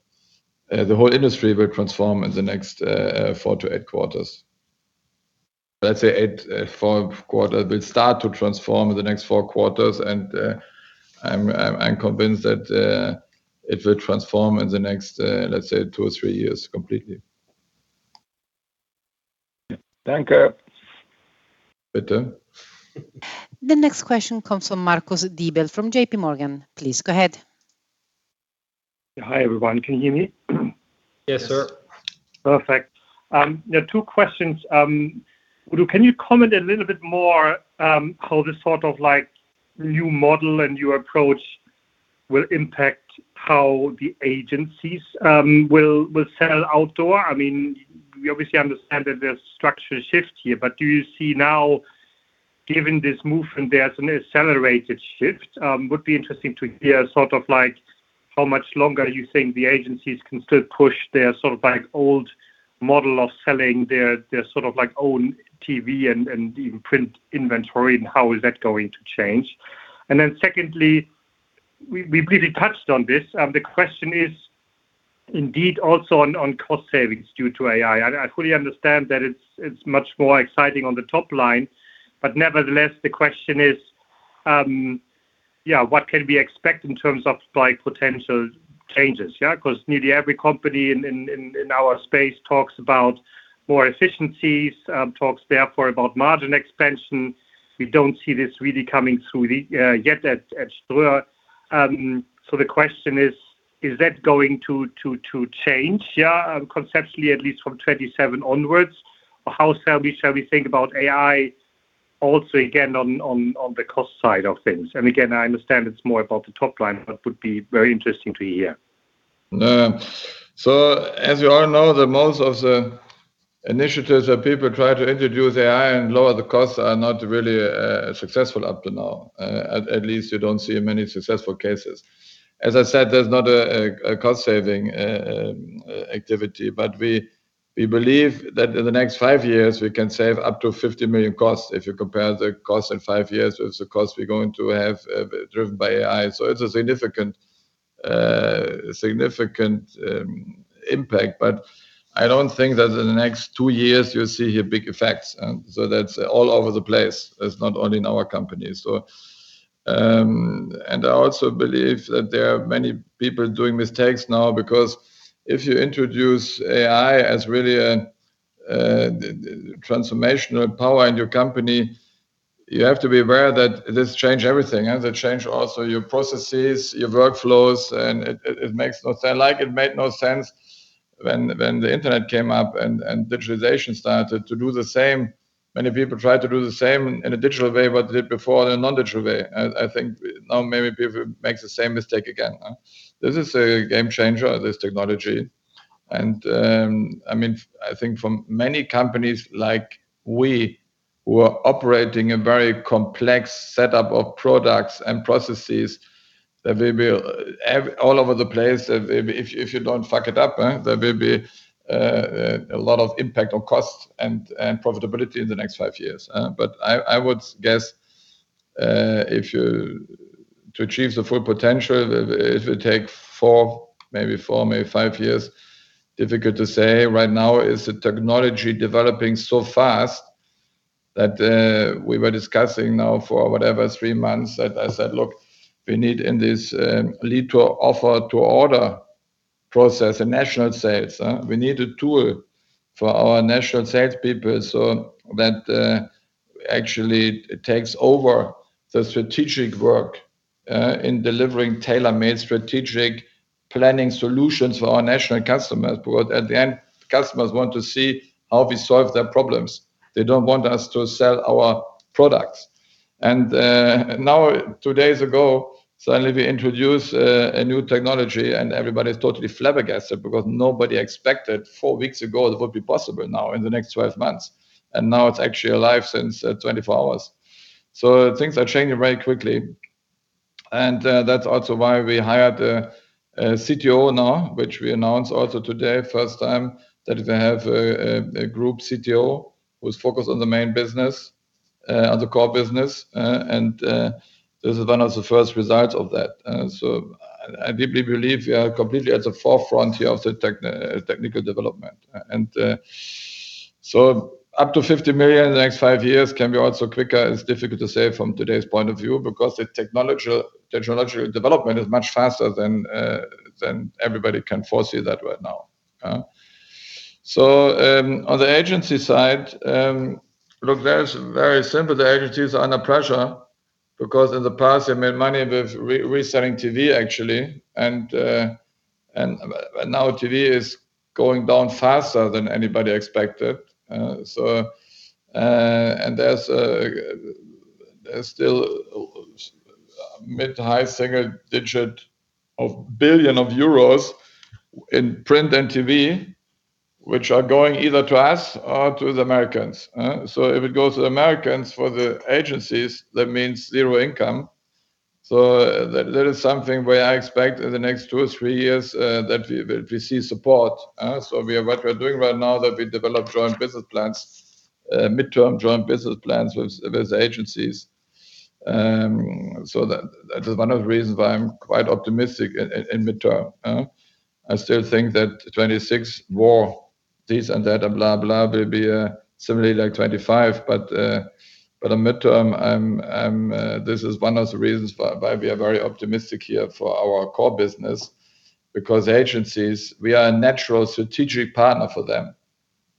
the whole industry will transform in the next four to eight quarters. Let's say four quarter will start to transform in the next four quarters and I'm convinced that it will transform in the next, let's say two years or three years completely. Danke. Bitte. The next question comes from Marcus Diebel from JPMorgan. Please go ahead. Hi, everyone. Can you hear me? Yes, sir. Perfect. Yeah, two questions. Udo, can you comment a little bit more how the sort of like new model and new approach will impact how the agencies will sell outdoor? I mean, we obviously understand that there's structural shift here. Do you see now, given this move and there's an accelerated shift, would be interesting to hear sort of like how much longer you think the agencies can still push their sort of like old model of selling their sort of like own TV and even print inventory, and how is that going to change? Secondly, we briefly touched on this. The question is indeed also on cost savings due to AI. I fully understand that it's much more exciting on the top line, but nevertheless, the question is, yeah, what can we expect in terms of like potential changes? Nearly every company in our space talks about more efficiencies, talks therefore about margin expansion. We don't see this really coming through yet at Ströer. The question is that going to change, yeah, conceptually at least from 2027 onwards? Or how shall we think about AI also again on the cost side of things? Again, I understand it's more about the top line, but would be very interesting to hear. As you all know that most of the initiatives that people try to introduce AI and lower the costs are not really successful up to now. At least you don't see many successful cases. As I said, there's not a cost saving activity. We believe that in the next five years, we can save up to 50 million costs if you compare the cost in five years with the cost we're going to have driven by AI. It's a significant impact. I don't think that in the next two years you'll see here big effects. That's all over the place. It's not only in our company. I also believe that there are many people doing mistakes now because if you introduce AI as really a transformational power in your company, you have to be aware that this change everything, and they change also your processes, your workflows, and it makes no sense. Like it made no sense when the internet came up and digitalization started to do the same. Many people tried to do the same in a digital way what they did before in a non-digital way. I think now maybe people make the same mistake again, huh? This is a game changer, this technology. I mean, I think for many companies like we're operating a very complex setup of products and processes that will be all over the place, huh? There will be a lot of impact on cost and profitability in the next five years. I would guess, if you to achieve the full potential, it would take four, maybe five years. Difficult to say right now is the technology developing so fast that we were discussing now for whatever, three months that I said, "Look, we need in this lead-to-offer-to-order process a national sales, huh? We need a tool for our national sales people so that actually takes over the strategic work in delivering tailor-made strategic planning solutions for our national customers." At the end, customers want to see how we solve their problems. They don't want us to sell our products. Now two days ago, suddenly we introduce a new technology, and everybody's totally flabbergasted because nobody expected four weeks ago it would be possible now in the next 12 months. Now it's actually alive since 24 hours. Things are changing very quickly, and that's also why we hired a CTO now, which we announced also today first time that we have a group CTO who's focused on the main business, on the core business, and this is one of the first results of that. I deeply believe we are completely at the forefront here of the technical development. Up to 50 million in the next five years can be also quicker. It's difficult to say from today's point of view because the technology, the technological development is much faster than everybody can foresee that right now. On the agency side, look, that is very simple. The agencies are under pressure because in the past they made money with reselling TV actually, now TV is going down faster than anybody expected. There's still mid to high single digit billion euros in print and TV which are going either to us or to the Americans, huh? If it goes to the Americans for the agencies, that means zero income. That is something where I expect in the next two years or three years that we will receive support, we are... What we're doing right now that we develop joint business plans, midterm joint business plans with agencies. That is one of the reasons why I'm quite optimistic in midterm. I still think that 2026, more this and that and blah will be similarly like 2025. On midterm I'm, this is one of the reasons why we are very optimistic here for our core business because agencies, we are a natural strategic partner for them.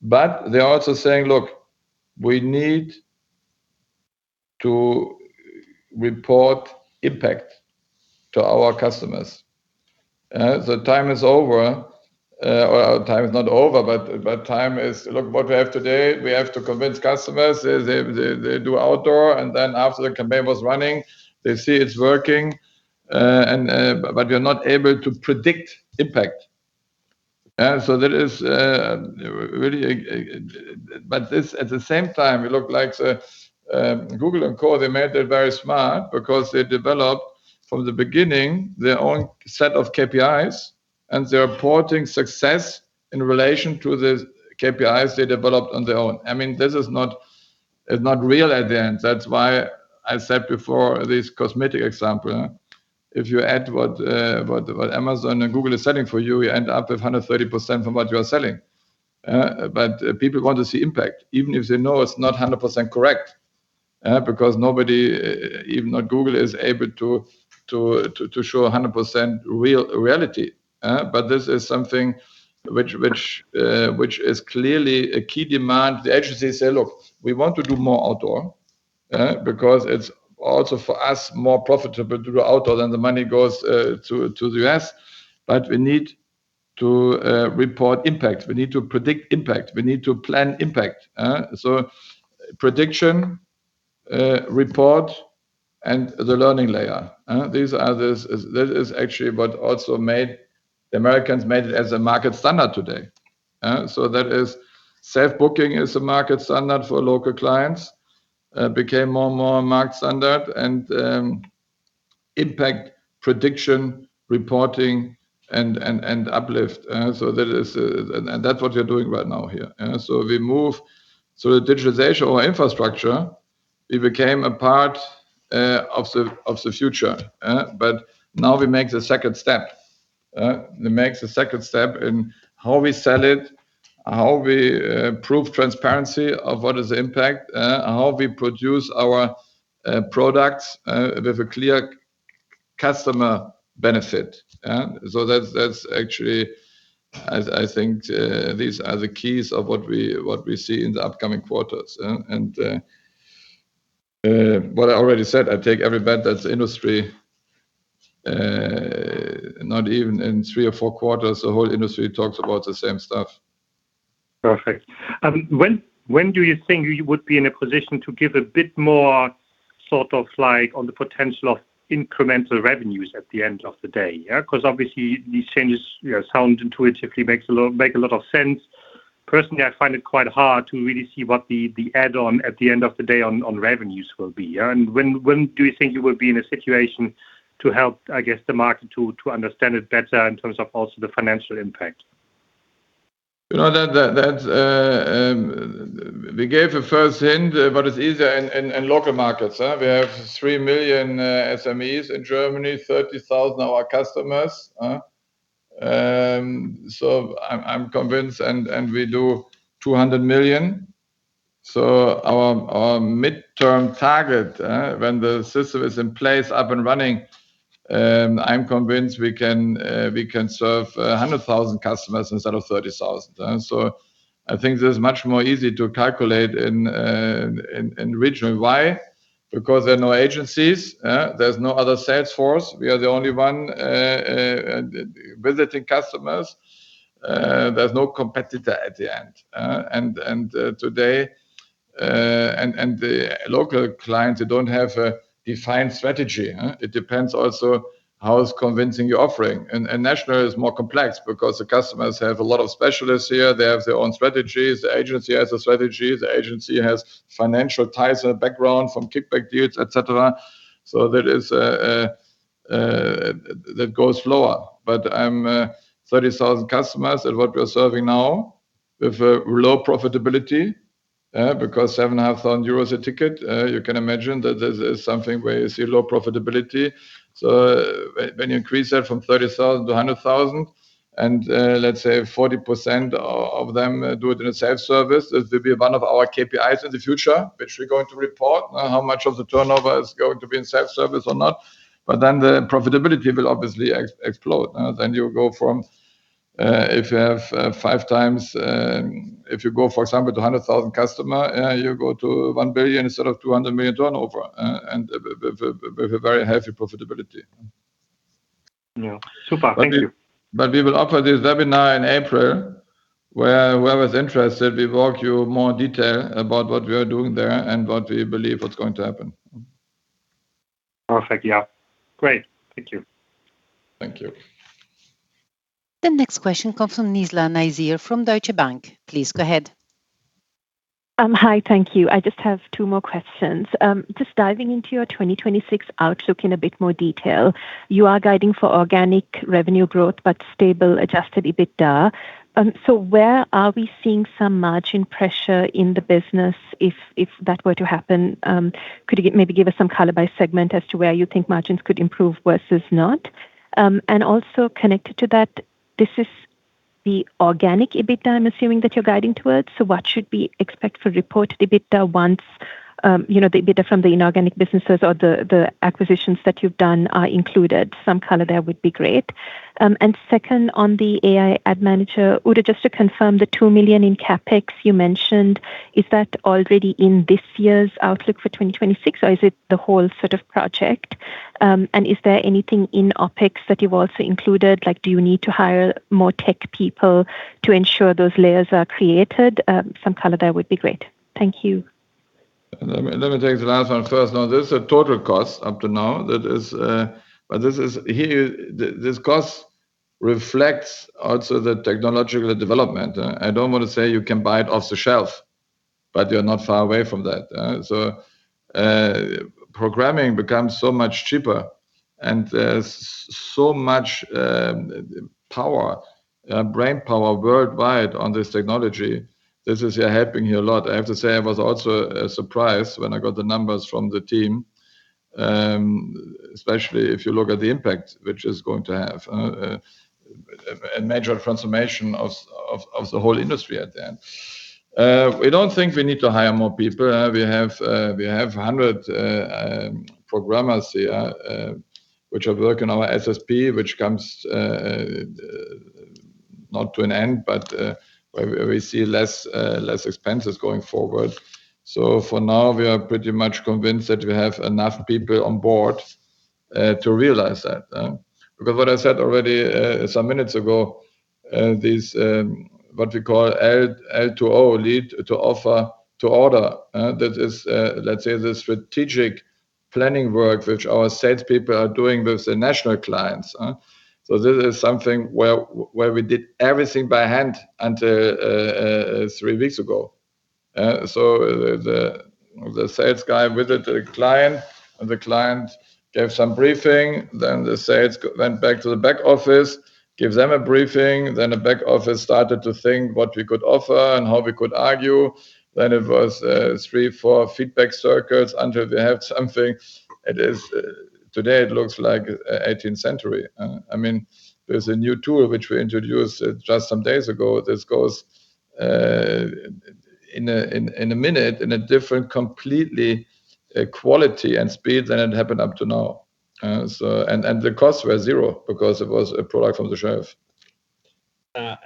They're also saying, "Look, we need to report impact to our customers." The time is over, or time is not over, but time is... Look what we have today, we have to convince customers they do Outdoor, and then after the campaign was running, they see it's working, but we're not able to predict impact. This at the same time it look like Google and Co., they made it very smart because they developed from the beginning their own set of KPIs, and they're reporting success in relation to the KPIs they developed on their own. I mean, this is not real at the end. That's why I said before this cosmetic example, huh? If you add what Amazon and Google is selling for you end up with 130% from what you are selling. But people want to see impact even if they know it's not 100% correct, because nobody, even not Google, is able to show 100% real reality, but this is something which is clearly a key demand. The agencies say, "Look, we want to do more outdoor, because it's also for us more profitable to go outdoor than the money goes to the U.S. But we need to report impact. We need to predict impact. We need to plan impact," so prediction, report, and the learning layer, these are the... This is actually what also made, the Americans made it as a market standard today. Self-booking is a market standard for local clients, became more and more a market standard and impact prediction, reporting, and uplift. That's what we're doing right now here, we move. The digitalization or infrastructure, it became a part of the future, now we make the second step. We make the second step in how we sell it, how we prove transparency of what is the impact, how we produce our products with a clear customer benefit, so that's actually as I think these are the keys of what we, what we see in the upcoming quarters, and what I already said, I take every bet that the industry not even in three or four quarters, the whole industry talks about the same stuff. Perfect. When do you think you would be in a position to give a bit more sort of like on the potential of incremental revenues at the end of the day, yeah? Because obviously these changes, you know, sound intuitively make a lot of sense. Personally, I find it quite hard to really see what the add on at the end of the day on revenues will be, yeah? When do you think you will be in a situation to help, I guess, the market to understand it better in terms of also the financial impact? You know that's, we gave a first hint, but it's easier in local markets. We have 3 million SMEs in Germany, 30,000 our customers. I'm convinced and we do 200 million. Our midterm target, when the system is in place up and running, I'm convinced we can serve 100,000 customers instead of 30,000. I think this is much more easy to calculate in region. Why? Because there are no agencies, there's no other sales force. We are the only one visiting customers. There's no competitor at the end. Today, and the local clients, they don't have a defined strategy, it depends also how it's convincing your offering. National is more complex because the customers have a lot of specialists here. They have their own strategies. The agency has a strategy. The agency has financial ties and background from kickback deals, et cetera. There is a that goes lower. I'm 30,000 customers at what we are serving now with a low profitability because 7,500 euros a ticket, you can imagine that this is something where you see low profitability. When you increase that from 30,000 to 100,000 and let's say 40% of them do it in a self-service, it will be one of our KPIs in the future, which we're going to report how much of the turnover is going to be in self-service or not. Then the profitability will obviously explode. You go from, if you have five times, if you go for example to 100,000 customer, you go to 1 billion instead of 200 million turnover, and with a very healthy profitability. Yeah. Super. Thank you. We will offer this webinar in April where whoever's interested, we walk you more detail about what we are doing there and what we believe what's going to happen. Perfect. Yeah. Great. Thank you. Thank you. The next question comes from Nizla Naizer from Deutsche Bank. Please go ahead. Hi. Thank you. I just have two more questions. Just diving into your 2026 outlook in a bit more detail. You are guiding for organic revenue growth, but stable adjusted EBITDA. Where are we seeing some margin pressure in the business if that were to happen? Could you maybe give us some color by segment as to where you think margins could improve versus not? Also connected to that, this is the organic EBITDA I'm assuming that you're guiding towards. What should we expect for reported EBITDA once, you know, the EBITDA from the inorganic businesses or the acquisitions that you've done are included? Some color there would be great. Second, on the AI Ad Manager, Udo just to confirm the 2 million in CapEx you mentioned, is that already in this year's outlook for 2026, or is it the whole sort of project? Is there anything in OpEx that you've also included? Like do you need to hire more tech people to ensure those layers are created? Some color there would be great. Thank you. Let me take the last one first. This is a total cost up to now. That is, this cost reflects also the technological development. I don't wanna say you can buy it off the shelf, you're not far away from that. Programming becomes so much cheaper, and there's so much power, brain power worldwide on this technology. This is helping you a lot. I have to say I was also surprised when I got the numbers from the team, especially if you look at the impact which is going to have a major transformation of the whole industry at the end. We don't think we need to hire more people. We have, we have 100 programmers here, which are working on our SSP, which comes not to an end, but we see less expenses going forward. For now, we are pretty much convinced that we have enough people on board to realize that. Because what I said already some minutes ago, this what we call L-L to O, lead-to-offer-to-order, that is let's say the strategic planning work which our salespeople are doing with the national clients. This is something where we did everything by hand until three weeks ago. The sales guy visited the client, and the client gave some briefing. The sales went back to the back office, give them a briefing. The back office started to think what we could offer and how we could argue. It was three feedback, four feedback circles until they have something. Today it looks like 18th century. I mean, there's a new tool which we introduced just some days ago. This goes in a minute in a different completely quality and speed than it happened up to now. The costs were zero because it was a product from the shelf.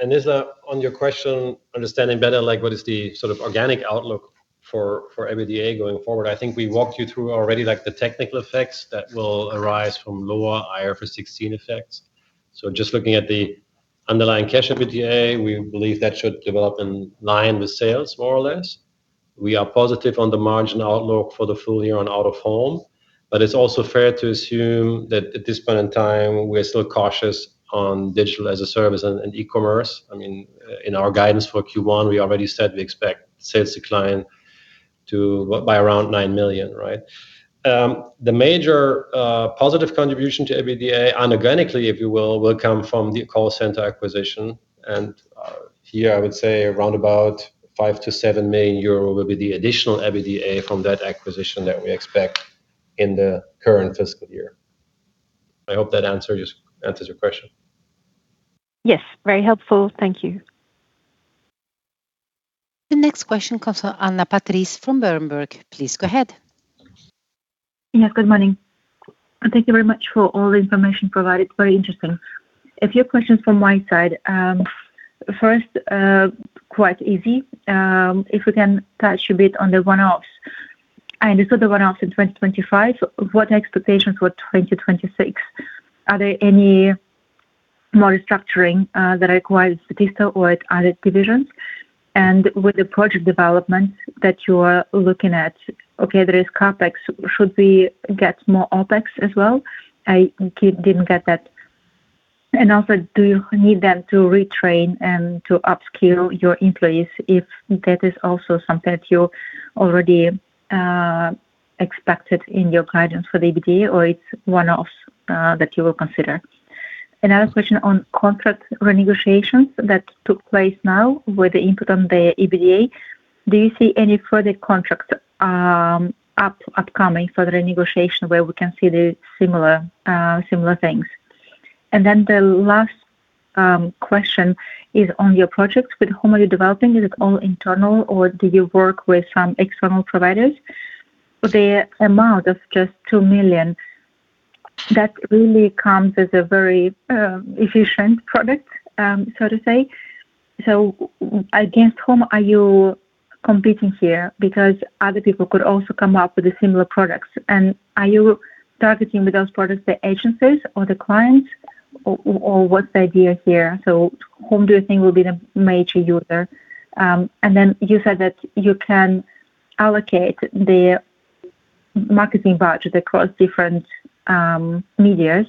This, on your question, understanding better, like what is the sort of organic outlook for ABDA going forward? I think we walked you through already, like the technical effects that will arise from lower IFRS 16 effects. Just looking at the underlying cash EBITDA, we believe that should develop in line with sales more or less. We are positive on the margin outlook for the full year on out-of-home. It's also fair to assume that at this point in time, we're still cautious on digital as a service and e-commerce. I mean, in our guidance for Q1, we already said we expect sales decline by around 9 million, right? The major positive contribution to EBITDA anorganically, if you will come from the call center acquisition. Here I would say around about 5 million-7 million euro will be the additional EBITDA from that acquisition that we expect in the current fiscal year. I hope that answers your question. Yes, very helpful. Thank you. The next question comes from Anna Patrice from Berenberg. Please go ahead. Yes, good morning. Thank you very much for all the information provided. Very interesting. A few questions from my side. First, quite easy. If we can touch a bit on the one-offs. I understood the one-offs in 2025. What expectations for 2026? Are there any more restructuring that requires Statista or other divisions? With the project development that you are looking at, okay, there is CapEx. Should we get more OpEx as well? I didn't get that. Also, do you need then to retrain and to upskill your employees if that is also something that you already expected in your guidance for the EBITDA, or it's one-offs that you will consider? Another question on contract renegotiations that took place now with the input on the EBITDA. Do you see any further contract, upcoming further negotiation where we can see the similar things? The last question is on your projects. With whom are you developing? Is it all internal, or do you work with some external providers? The amount of just 2 million, that really comes as a very efficient product, so to say. Against whom are you competing here? Because other people could also come up with similar products. Are you targeting with those products the agencies or the clients, or what's the idea here? Whom do you think will be the major user? You said that you can allocate the marketing budget across different medias.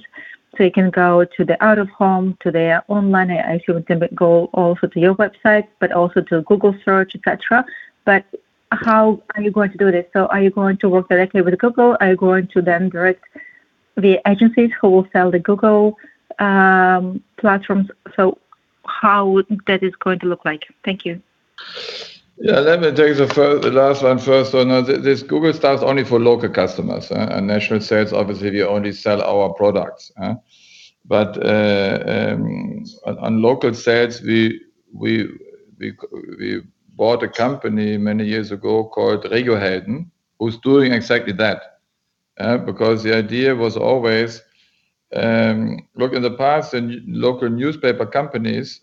You can go to the out-of-home, to the online, I assume you can go also to your website, but also to Google Search, et cetera. How are you going to do this? Are you going to work directly with Google? Are you going to then direct the agencies who will sell the Google platforms? How that is going to look like? Thank you. Yeah. Let me take the last one first. No, this Google stuff's only for local customers. And national sales, obviously we only sell our products, huh? On local sales, we bought a company many years ago called RegioHelden, who's doing exactly that, because the idea was always, look in the past and local newspaper companies,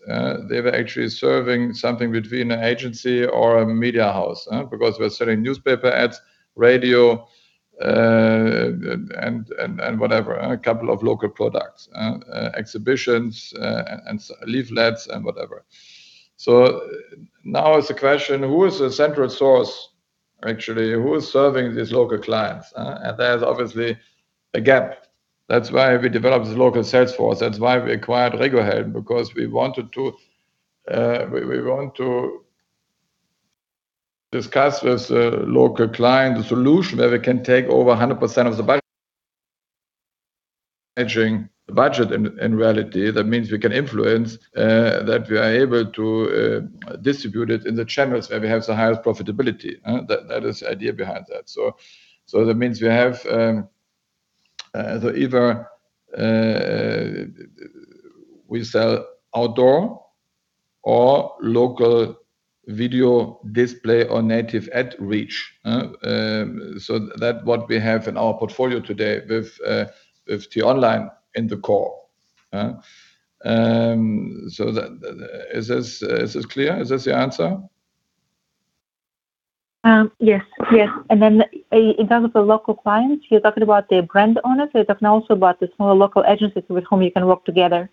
they were actually serving something between an agency or a media house, huh? Because we're selling newspaper ads, radio, and whatever, a couple of local products, exhibitions, and leaflets and whatever. Now it's a question, who is the central source actually? Who is serving these local clients, huh? There's obviously a gap. That's why we developed this local sales force. That's why we acquired RegioHelden, because we wanted to, we want to discuss with a local client a solution where we can take over 100% of the edging the budget. In reality, that means we can influence, that we are able to distribute it in the channels where we have the highest profitability? That is the idea behind that. That means we have the either, we sell outdoor or local video display or native ad reach? That what we have in our portfolio today with the online in the core? Is this clear? Is this the answer? Yes. Yes. In terms of the local clients, you're talking about the brand owners, or you're talking also about the smaller local agencies with whom you can work together?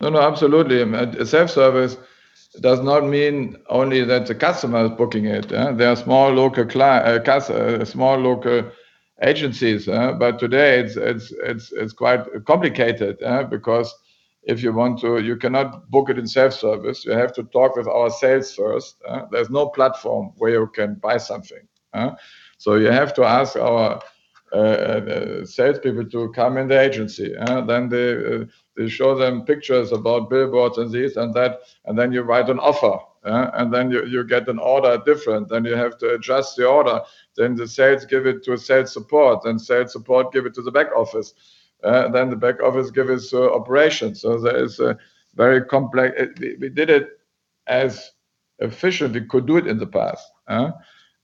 No, no, absolutely. Self-service does not mean only that the customer is booking it, huh? There are small local agencies, huh? Today it's quite complicated, huh? Because if you want to, you cannot book it in self-service. You have to talk with our sales first, huh? There's no platform where you can buy something, huh? You have to ask our sales people to come in the agency, huh? They show them pictures about billboards and this and that, and then you write an offer, huh? You get an order different. You have to adjust the order. The sales give it to a sales support. Sales support give it to the back office. The back office give it to operation. That is very complex. We did it as efficient we could do it in the past.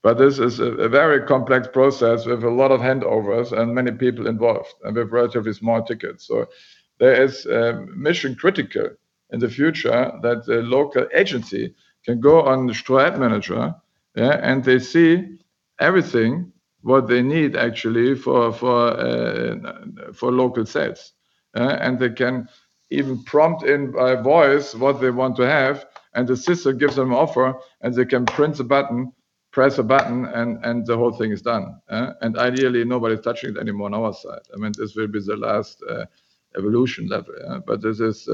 This is a very complex process with a lot of handovers and many people involved, and we're relatively small ticket. There is mission critical in the future that the local agency can go on the Ströer Manager, and they see everything what they need actually for local sales. They can even prompt in by voice what they want to have, and the system gives them offer, and they can press a button, and the whole thing is done. I mean, this will be the last evolution level, but this is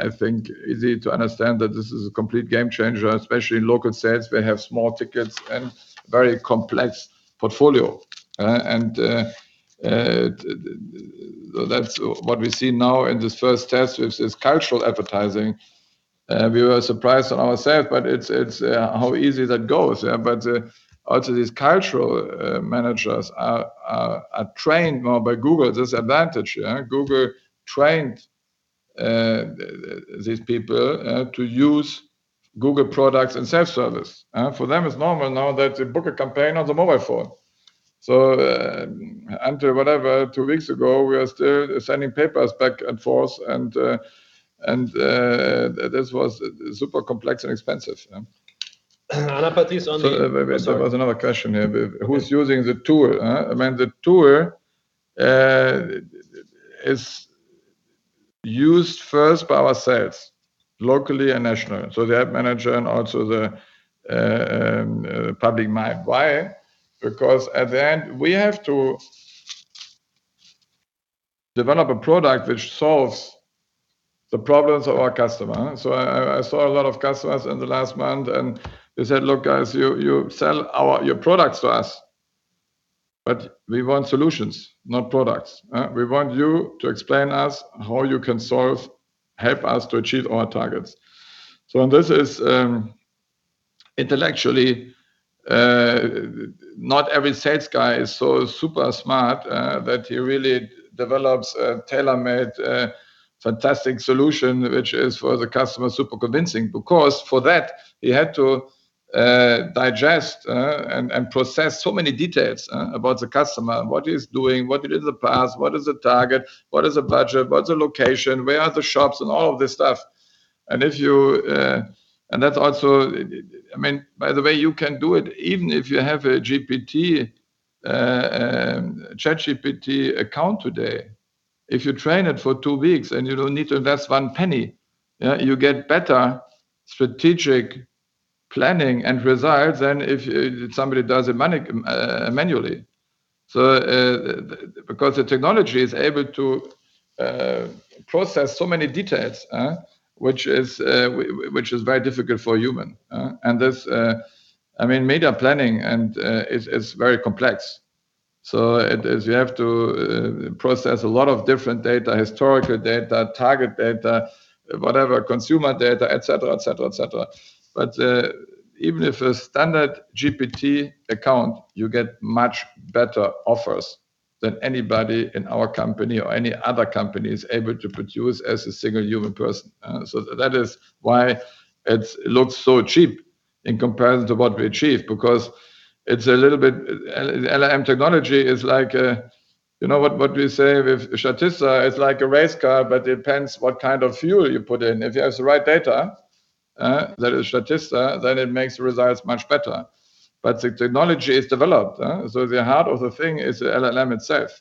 I think easy to understand that this is a complete game changer, especially in local sales. They have small tickets and very complex portfolio. That's what we see now in this first test with this cultural advertising. We were surprised ourselves, but it's how easy that goes. Also these cultural managers are trained now by google. There's advantage. Google trained these people to use Google products and self-service. For them it's normal now that they book a campaign on the mobile phone. Until whatever, two weeks ago, we are still sending papers back and forth and this was super complex and expensive. I put this on the- There was another question here. Who's using the tour? I mean, the tour is used first by ourselves, locally and nationally. The Ad Manager and also the Public Mind. Why? Because at the end, we have to develop a product which solves the problems of our customer. I saw a lot of customers in the last month, and they said, "Look, guys, you sell your products to us, but we want solutions, not products. We want you to explain us how you can solve, help us to achieve our targets." And this is, intellectually, not every sales guy is so super smart that he really develops a tailor-made fantastic solution, which is, for the customer, super convincing. For that, he had to digest and process so many details about the customer, what he's doing, what he did in the past, what is the target, what is the budget, what's the location, where are the shops, and all of this stuff. If you, I mean, by the way, you can do it even if you have a GPT ChatGPT account today. If you train it for two weeks, and you don't need to invest one penny, you get better strategic planning and results than if somebody does it manually. Because the technology is able to process so many details, which is very difficult for human. This, I mean, media planning and is very complex. It is you have to process a lot of different data, historical data, target data, whatever, consumer data, et cetera, et cetera, et cetera. Even if a standard GPT account, you get much better offers than anybody in our company or any other company is able to produce as a single human person. That is why it looks so cheap in comparison to what we achieve, because it's a little bit... LLM technology is like, you know what we say with Statista is like a race car, but depends what kind of fuel you put in. If you have the right data, that is Statista, then it makes the results much better. The technology is developed. The heart of the thing is the LLM itself.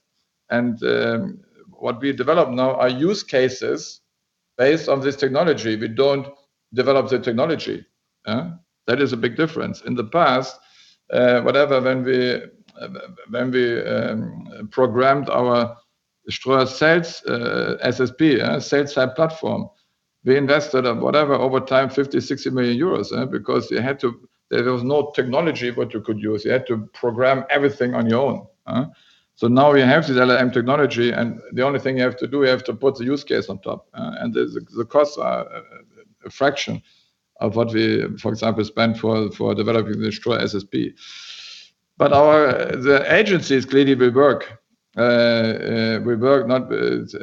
What we develop now are use cases based on this technology. We don't develop the technology. That is a big difference. In the past, when we, when we programmed our Ströer sales SSP sales side platform, we invested over time, 50 million-60 million euros, because you had to. There was no technology what you could use. You had to program everything on your own. Now we have this LLM technology, and the only thing you have to do, you have to put the use case on top, and the costs are a fraction of what we, for example, spent for developing the Ströer SSP. Our, the agencies clearly we work, we work not with...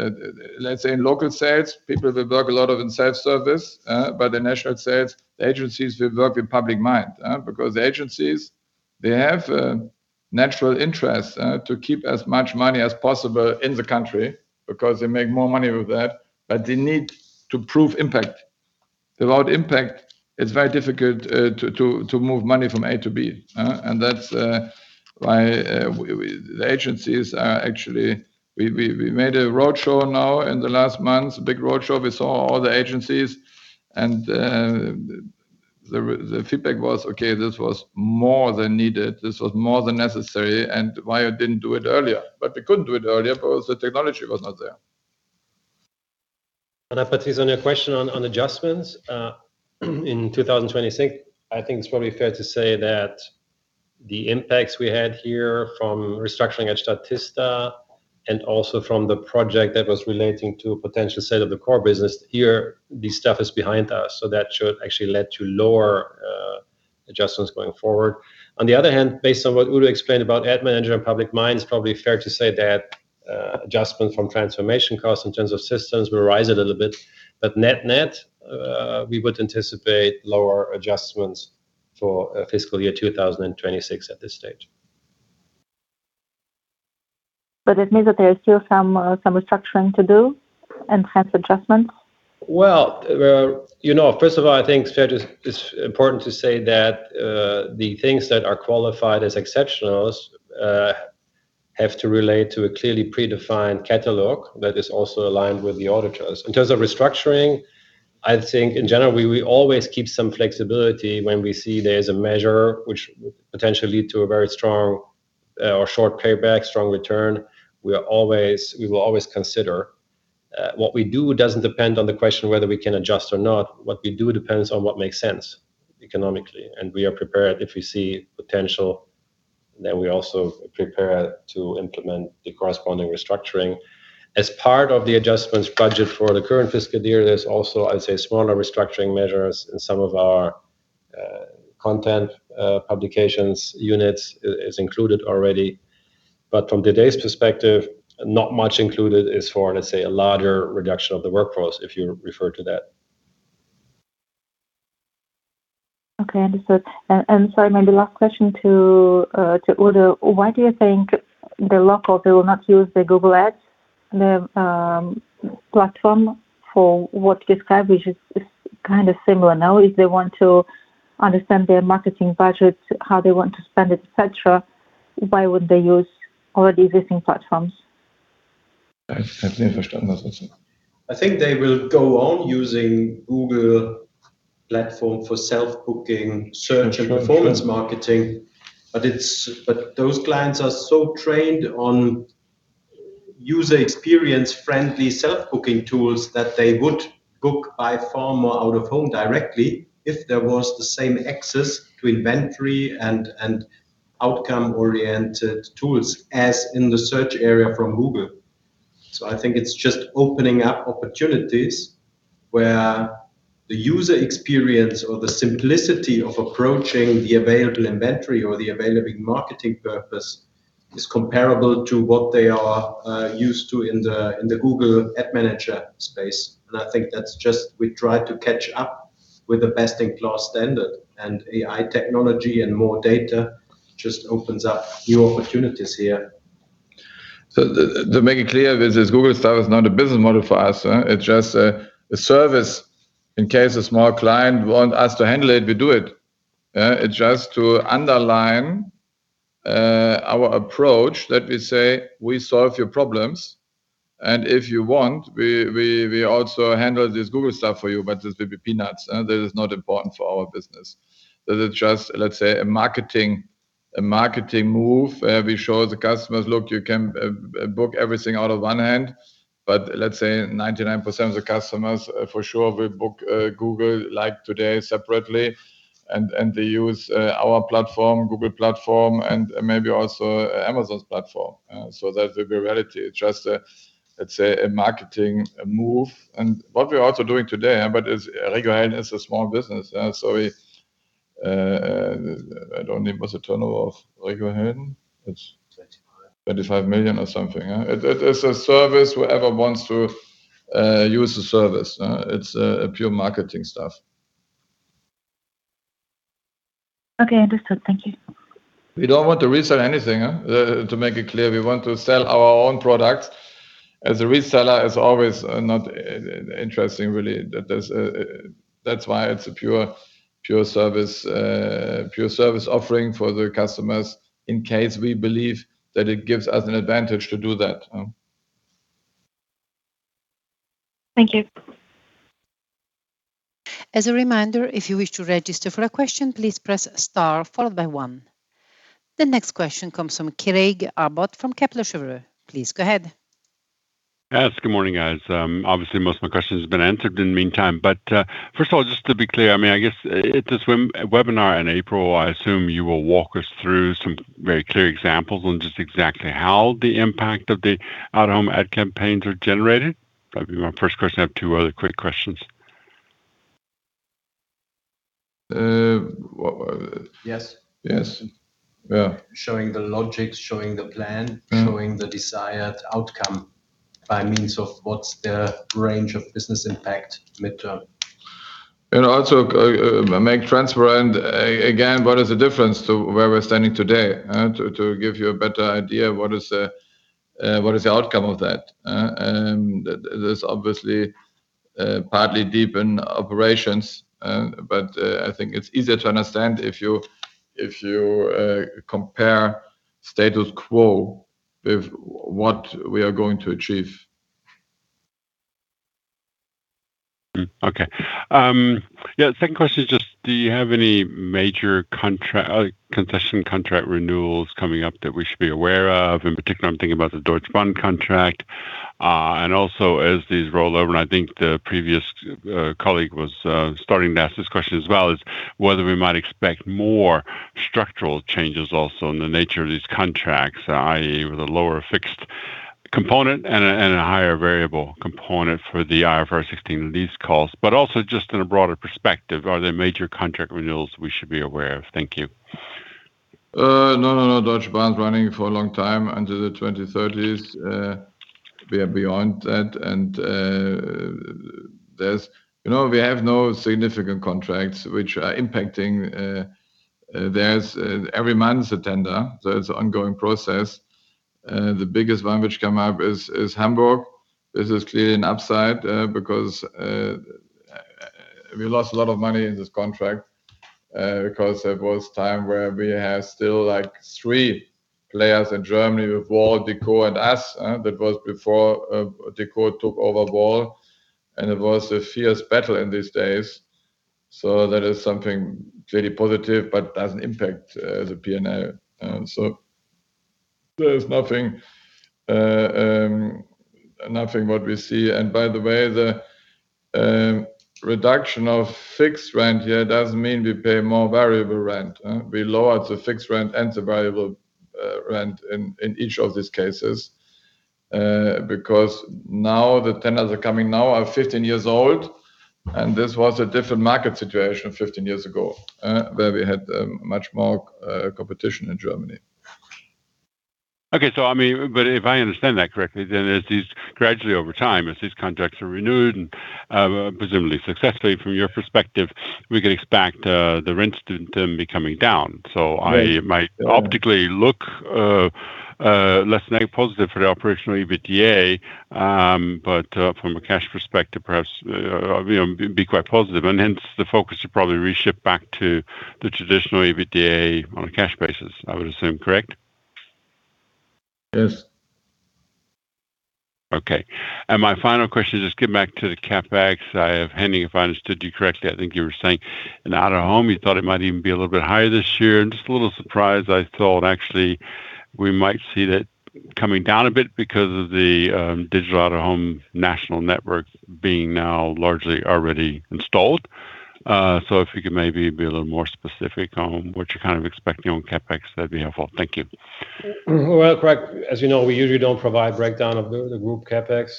Let's say in local sales, people will work a lot of in self-service, but the national sales agencies will work with Public Mind because the agencies, they have a natural interest to keep as much money as possible in the country because they make more money with that, but they need to prove impact. Without impact, it's very difficult to move money from A to B. That's why the agencies are actually. We made a roadshow now in the last months, big roadshow. We saw all the agencies, and the feedback was, "Okay, this was more than needed. This was more than necessary, and why you didn't do it earlier?" We couldn't do it earlier because the technology was not there. I put this on your question on adjustments in 2026. I think it's probably fair to say that the impacts we had here from restructuring Statista and also from the project that was relating to potential sale of the core business, this stuff is behind us. That should actually lead to lower adjustments going forward. On the other hand, based on what Udo explained about Ad Manager and Public Mind, it's probably fair to say that adjustment from transformation costs in terms of systems will rise a little bit. Net-net, we would anticipate lower adjustments for fiscal year 2026 at this stage. It means that there is still some restructuring to do and hence adjustment? Well, you know, first of all, I think, Sven, it's important to say that the things that are qualified as exceptionals have to relate to a clearly predefined catalog that is also aligned with the auditors. In terms of restructuring, I think in general, we always keep some flexibility when we see there's a measure which would potentially lead to a very strong or short payback, strong return. We will always consider. What we do doesn't depend on the question whether we can adjust or not. What we do depends on what makes sense economically, and we are prepared if we see potential, then we also prepare to implement the corresponding restructuring. As part of the adjustments budget for the current fiscal year, there's also, I'd say, smaller restructuring measures in some of our content, publications units is included already. From today's perspective, not much included is for, let's say, a larger reduction of the workforce if you refer to that. Okay, understood. Sorry, my last question to Udo. Why do you think the local, they will not use the Google Ads, the platform for what you described, which is kind of similar now. If they want to understand their marketing budgets, how they want to spend it, et cetera, why would they use already existing platforms? I think they will go on using Google platform for self-booking, search and performance marketing. Those clients are so trained on user experience-friendly self-booking tools that they would book by far more out-of-home directly if there was the same access to inventory and outcome-oriented tools as in the search area from Google. I think it's just opening up opportunities where the user experience or the simplicity of approaching the available inventory or the available marketing purpose is comparable to what they are used to in the Google Ad Manager space. I think that's just we try to catch up with the best-in-class standard. AI technology and more data just opens up new opportunities here. To make it clear, this Google stuff is not a business model for us, it's just a service in case a small client want us to handle it, we do it. It's just to underline our approach that we say we solve your problems. If you want, we also handle this Google stuff for you, but this will be peanuts. This is not important for our business. This is just, let's say, a marketing move. We show the customers, "Look, you can book everything out of one hand." Let's say 99% of the customers for sure will book Google like today separately, and they use our platform, Google platform, and maybe also Amazon's platform. That will be reality. It's just a, let's say, a marketing move. What we're also doing today, but it's, RegioHelden is a small business. We... I don't remember the turnover of RegioHelden. Twenty-five. 35 million or something, huh? It is a service whoever wants to use the service. It's a pure marketing stuff. Okay, understood. Thank you. We don't want to resell anything. To make it clear, we want to sell our own products. As a reseller, it's always not interesting really. That's why it's a pure service offering for the customers in case we believe that it gives us an advantage to do that. Thank you. As a reminder, if you wish to register for a question, please press star followed by 1. The next question comes from Craig Abbott from Kepler Cheuvreux. Please go ahead. Yes, good morning, guys. Obviously, most of my questions have been answered in the meantime. First of all, just to be clear, I mean, I guess at this webinar in April, I assume you will walk us through some very clear examples on just exactly how the impact of the out-of-home ad campaigns are generated. That'd be my first question. I have two other quick questions. what were Yes. Yes. Yeah. Showing the logics, showing the plan. Mm. -showing the desired outcome by means of what's their range of business impact midterm. Also, make transparent again, what is the difference to where we're standing today, to give you a better idea of what is, what is the outcome of that. This obviously, partly deep in operations, but I think it's easier to understand if you compare status quo with what we are going to achieve. Okay. Yeah, second question is just do you have any major concession contract renewals coming up that we should be aware of? In particular, I'm thinking about the Deutsche Bahn contract. And also as these roll over, and I think the previous colleague was starting to ask this question as well, is whether we might expect more structural changes also in the nature of these contracts, i.e. with a lower fixed component and a higher variable component for the IFRS 16 lease costs. Also just in a broader perspective, are there major contract renewals we should be aware of? Thank you. No, no. Deutsche Bahn is running for a long time, until the 2030s. We are beyond that. You know, we have no significant contracts which are impacting, there's every month a tender, so it's ongoing process. The biggest one which come up is Hamburg. This is clearly an upside, because we lost a lot of money in this contract, because there was time where we had still like three players in Germany with Wall, Deco and us, huh? That was before Deco took over Wall. It was a fierce battle in these days. That is something really positive but doesn't impact the P&L. There's nothing what we see. By the way, the reduction of fixed rent here doesn't mean we pay more variable rent. We lowered the fixed rent and the variable rent in each of these cases, because now the tenants are coming now are 15 years old. This was a different market situation 15 years ago, where we had much more competition in Germany. Okay. I mean, if I understand that correctly, as these gradually over time, as these contracts are renewed and presumably successfully from your perspective, we can expect the rents to be coming down. Right. Yeah. It might optically look less negative positive for the operational EBITDA, but from a cash perspective, perhaps, you know, be quite positive. Hence, the focus should probably reshift back to the traditional EBITDA on a cash basis, I would assume. Correct? Yes. Okay. My final question, just get back to the CapEx. I have, Henning, if I understood you correctly, I think you were saying in out-of-home, you thought it might even be a little bit higher this year. Just a little surprised. I thought actually we might see that coming down a bit because of the digital out-of-home national network being now largely already installed. If you could maybe be a little more specific on what you're kind of expecting on CapEx, that'd be helpful. Thank you. Well, Craig, as you know, we usually don't provide breakdown of the group CapEx.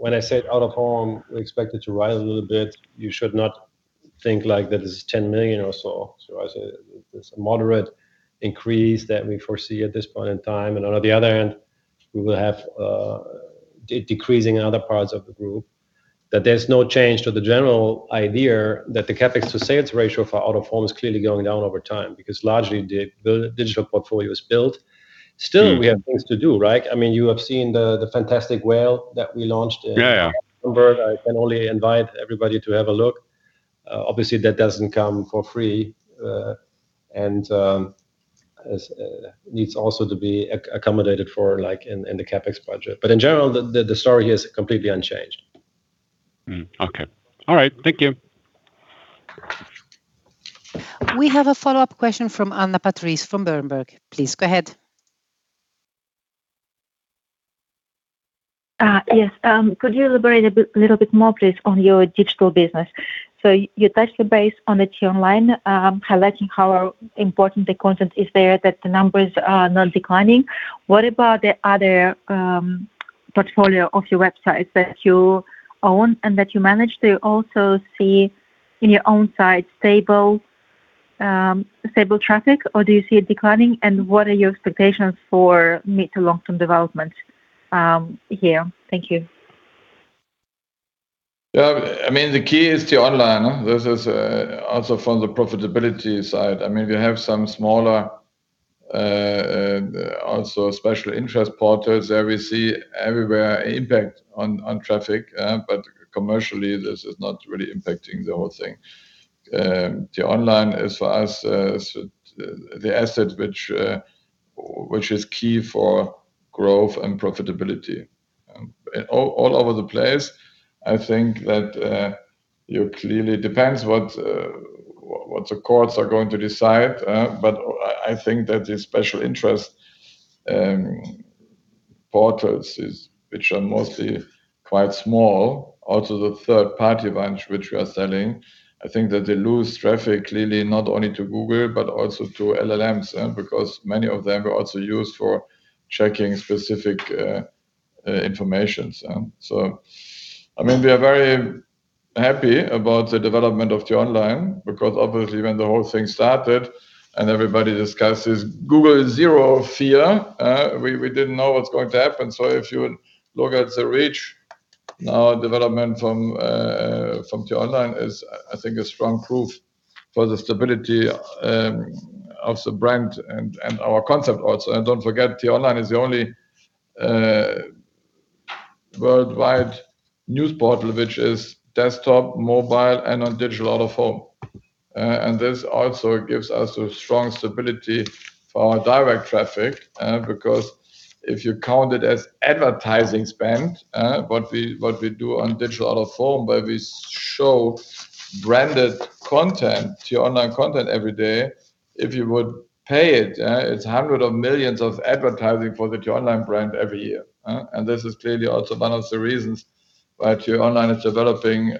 When I said out-of-home, we expect it to rise a little bit. You should not think like that is 10 million or so. I say there's a moderate increase that we foresee at this point in time. On the other hand, we will have de-decreasing in other parts of the group, that there's no change to the general idea that the CapEx to sales ratio for out-of-home is clearly going down over time because largely the digital portfolio is built. Mm-hmm. Still, we have things to do, right? I mean, you have seen the fantastic whale that we launched in- Yeah. Yeah. November. I can only invite everybody to have a look. Obviously, that doesn't come for free, and needs also to be accommodated for like in the CapEx budget. In general, the story here is completely unchanged. Okay. All right. Thank you. We have a follow-up question from Anna Patrice from Berenberg. Please go ahead. Yes. Could you elaborate a bit, little bit more please on your digital business? You touched base on the t-online, highlighting how important the content is there that the numbers are not declining. What about the other portfolio of your websites that you own and that you manage to also see in your own site stable traffic or do you see it declining? What are your expectations for mid to long-term development here? Thank you. Yeah. I mean, the key is t-online. This is also from the profitability side. I mean, we have some smaller, also special interest portals there. We see everywhere impact on traffic, but commercially, this is not really impacting the whole thing. t-online is for us the asset which is key for growth and profitability. All over the place, I think that, you're clearly depends what the courts are going to decide. I think that the special interest portals is which are mostly quite small, also the third party bunch which we are selling. I think that they lose traffic clearly not only to Google but also to LLMs, because many of them are also used for checking specific information. I mean, we are very happy about the development of T-Online because obviously when the whole thing started and everybody discusses Google Zero fear, we didn't know what was going to happen. If you look at the reach now development from T-Online is, I think a strong proof for the stability of the brand and our concept also. Don't forget, T-Online is the only worldwide news portal, which is desktop, mobile, and on digital out-of-home. This also gives us a strong stability for our direct traffic, because if you count it as advertising spend, what we do on digital out-of-home, where we show branded content, T-Online content every day. If you would pay it's hundred of millions of euros of advertising for the T-Online brand every year. This is clearly also one of the reasons why T-Online is developing,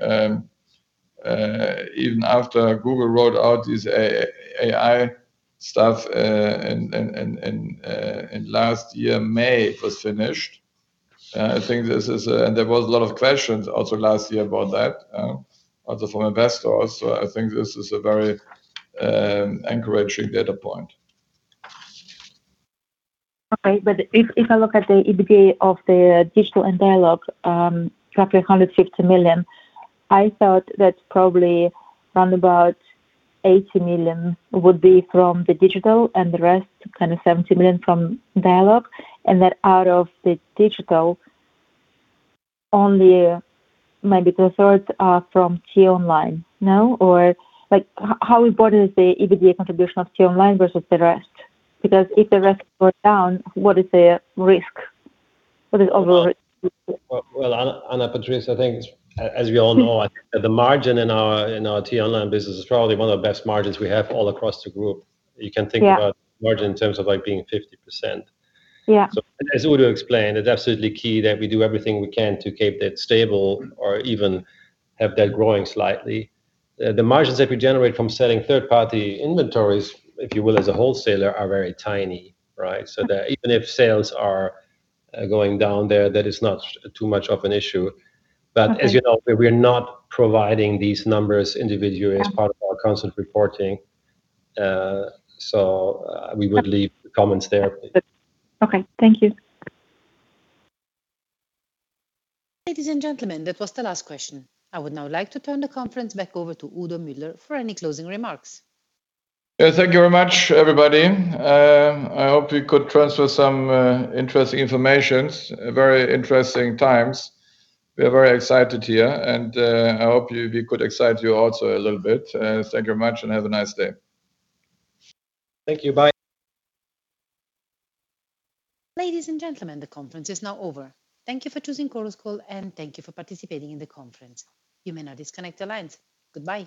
even after Google rolled out this AI stuff, in last year, May it was finished. There was a lot of questions also last year about that, also from investors. I think this is a very encouraging data point. Okay. If, if I look at the EBITDA of the digital and dialogue, roughly 150 million, I thought that probably round about 80 million would be from the digital and the rest kind of 70 million from dialogue. That out of the digital, only maybe two thirds are from t-online, no? Or like, how important is the EBITDA contribution of t-online versus the rest? Because if the rest were down, what is the risk? What is overall risk? Well, Anna Patrice, I think as we all know, the margin in our, in our t-online business is probably one of the best margins we have all across the group. Yeah. You can think about margin in terms of like being 50%. Yeah. As Udo explained, it's absolutely key that we do everything we can to keep that stable or even have that growing slightly. The margins that we generate from selling third party inventories, if you will, as a wholesaler, are very tiny, right? That even if sales are going down there, that is not too much of an issue. Okay. As you know, we're not providing these numbers individually as part of our constant reporting. We would leave the comments there. Okay. Thank you. Ladies and gentlemen, that was the last question. I would now like to turn the conference back over to Udo Müller for any closing remarks. Yeah, thank you very much, everybody. I hope we could transfer some interesting information. Very interesting times. We are very excited here, and I hope we could excite you also a little bit. Thank you very much and have a nice day. Thank you. Bye. Ladies and gentlemen, the conference is now over. Thank you for choosing Chorus Call and thank you for participating in the conference. You may now disconnect the lines. Goodbye.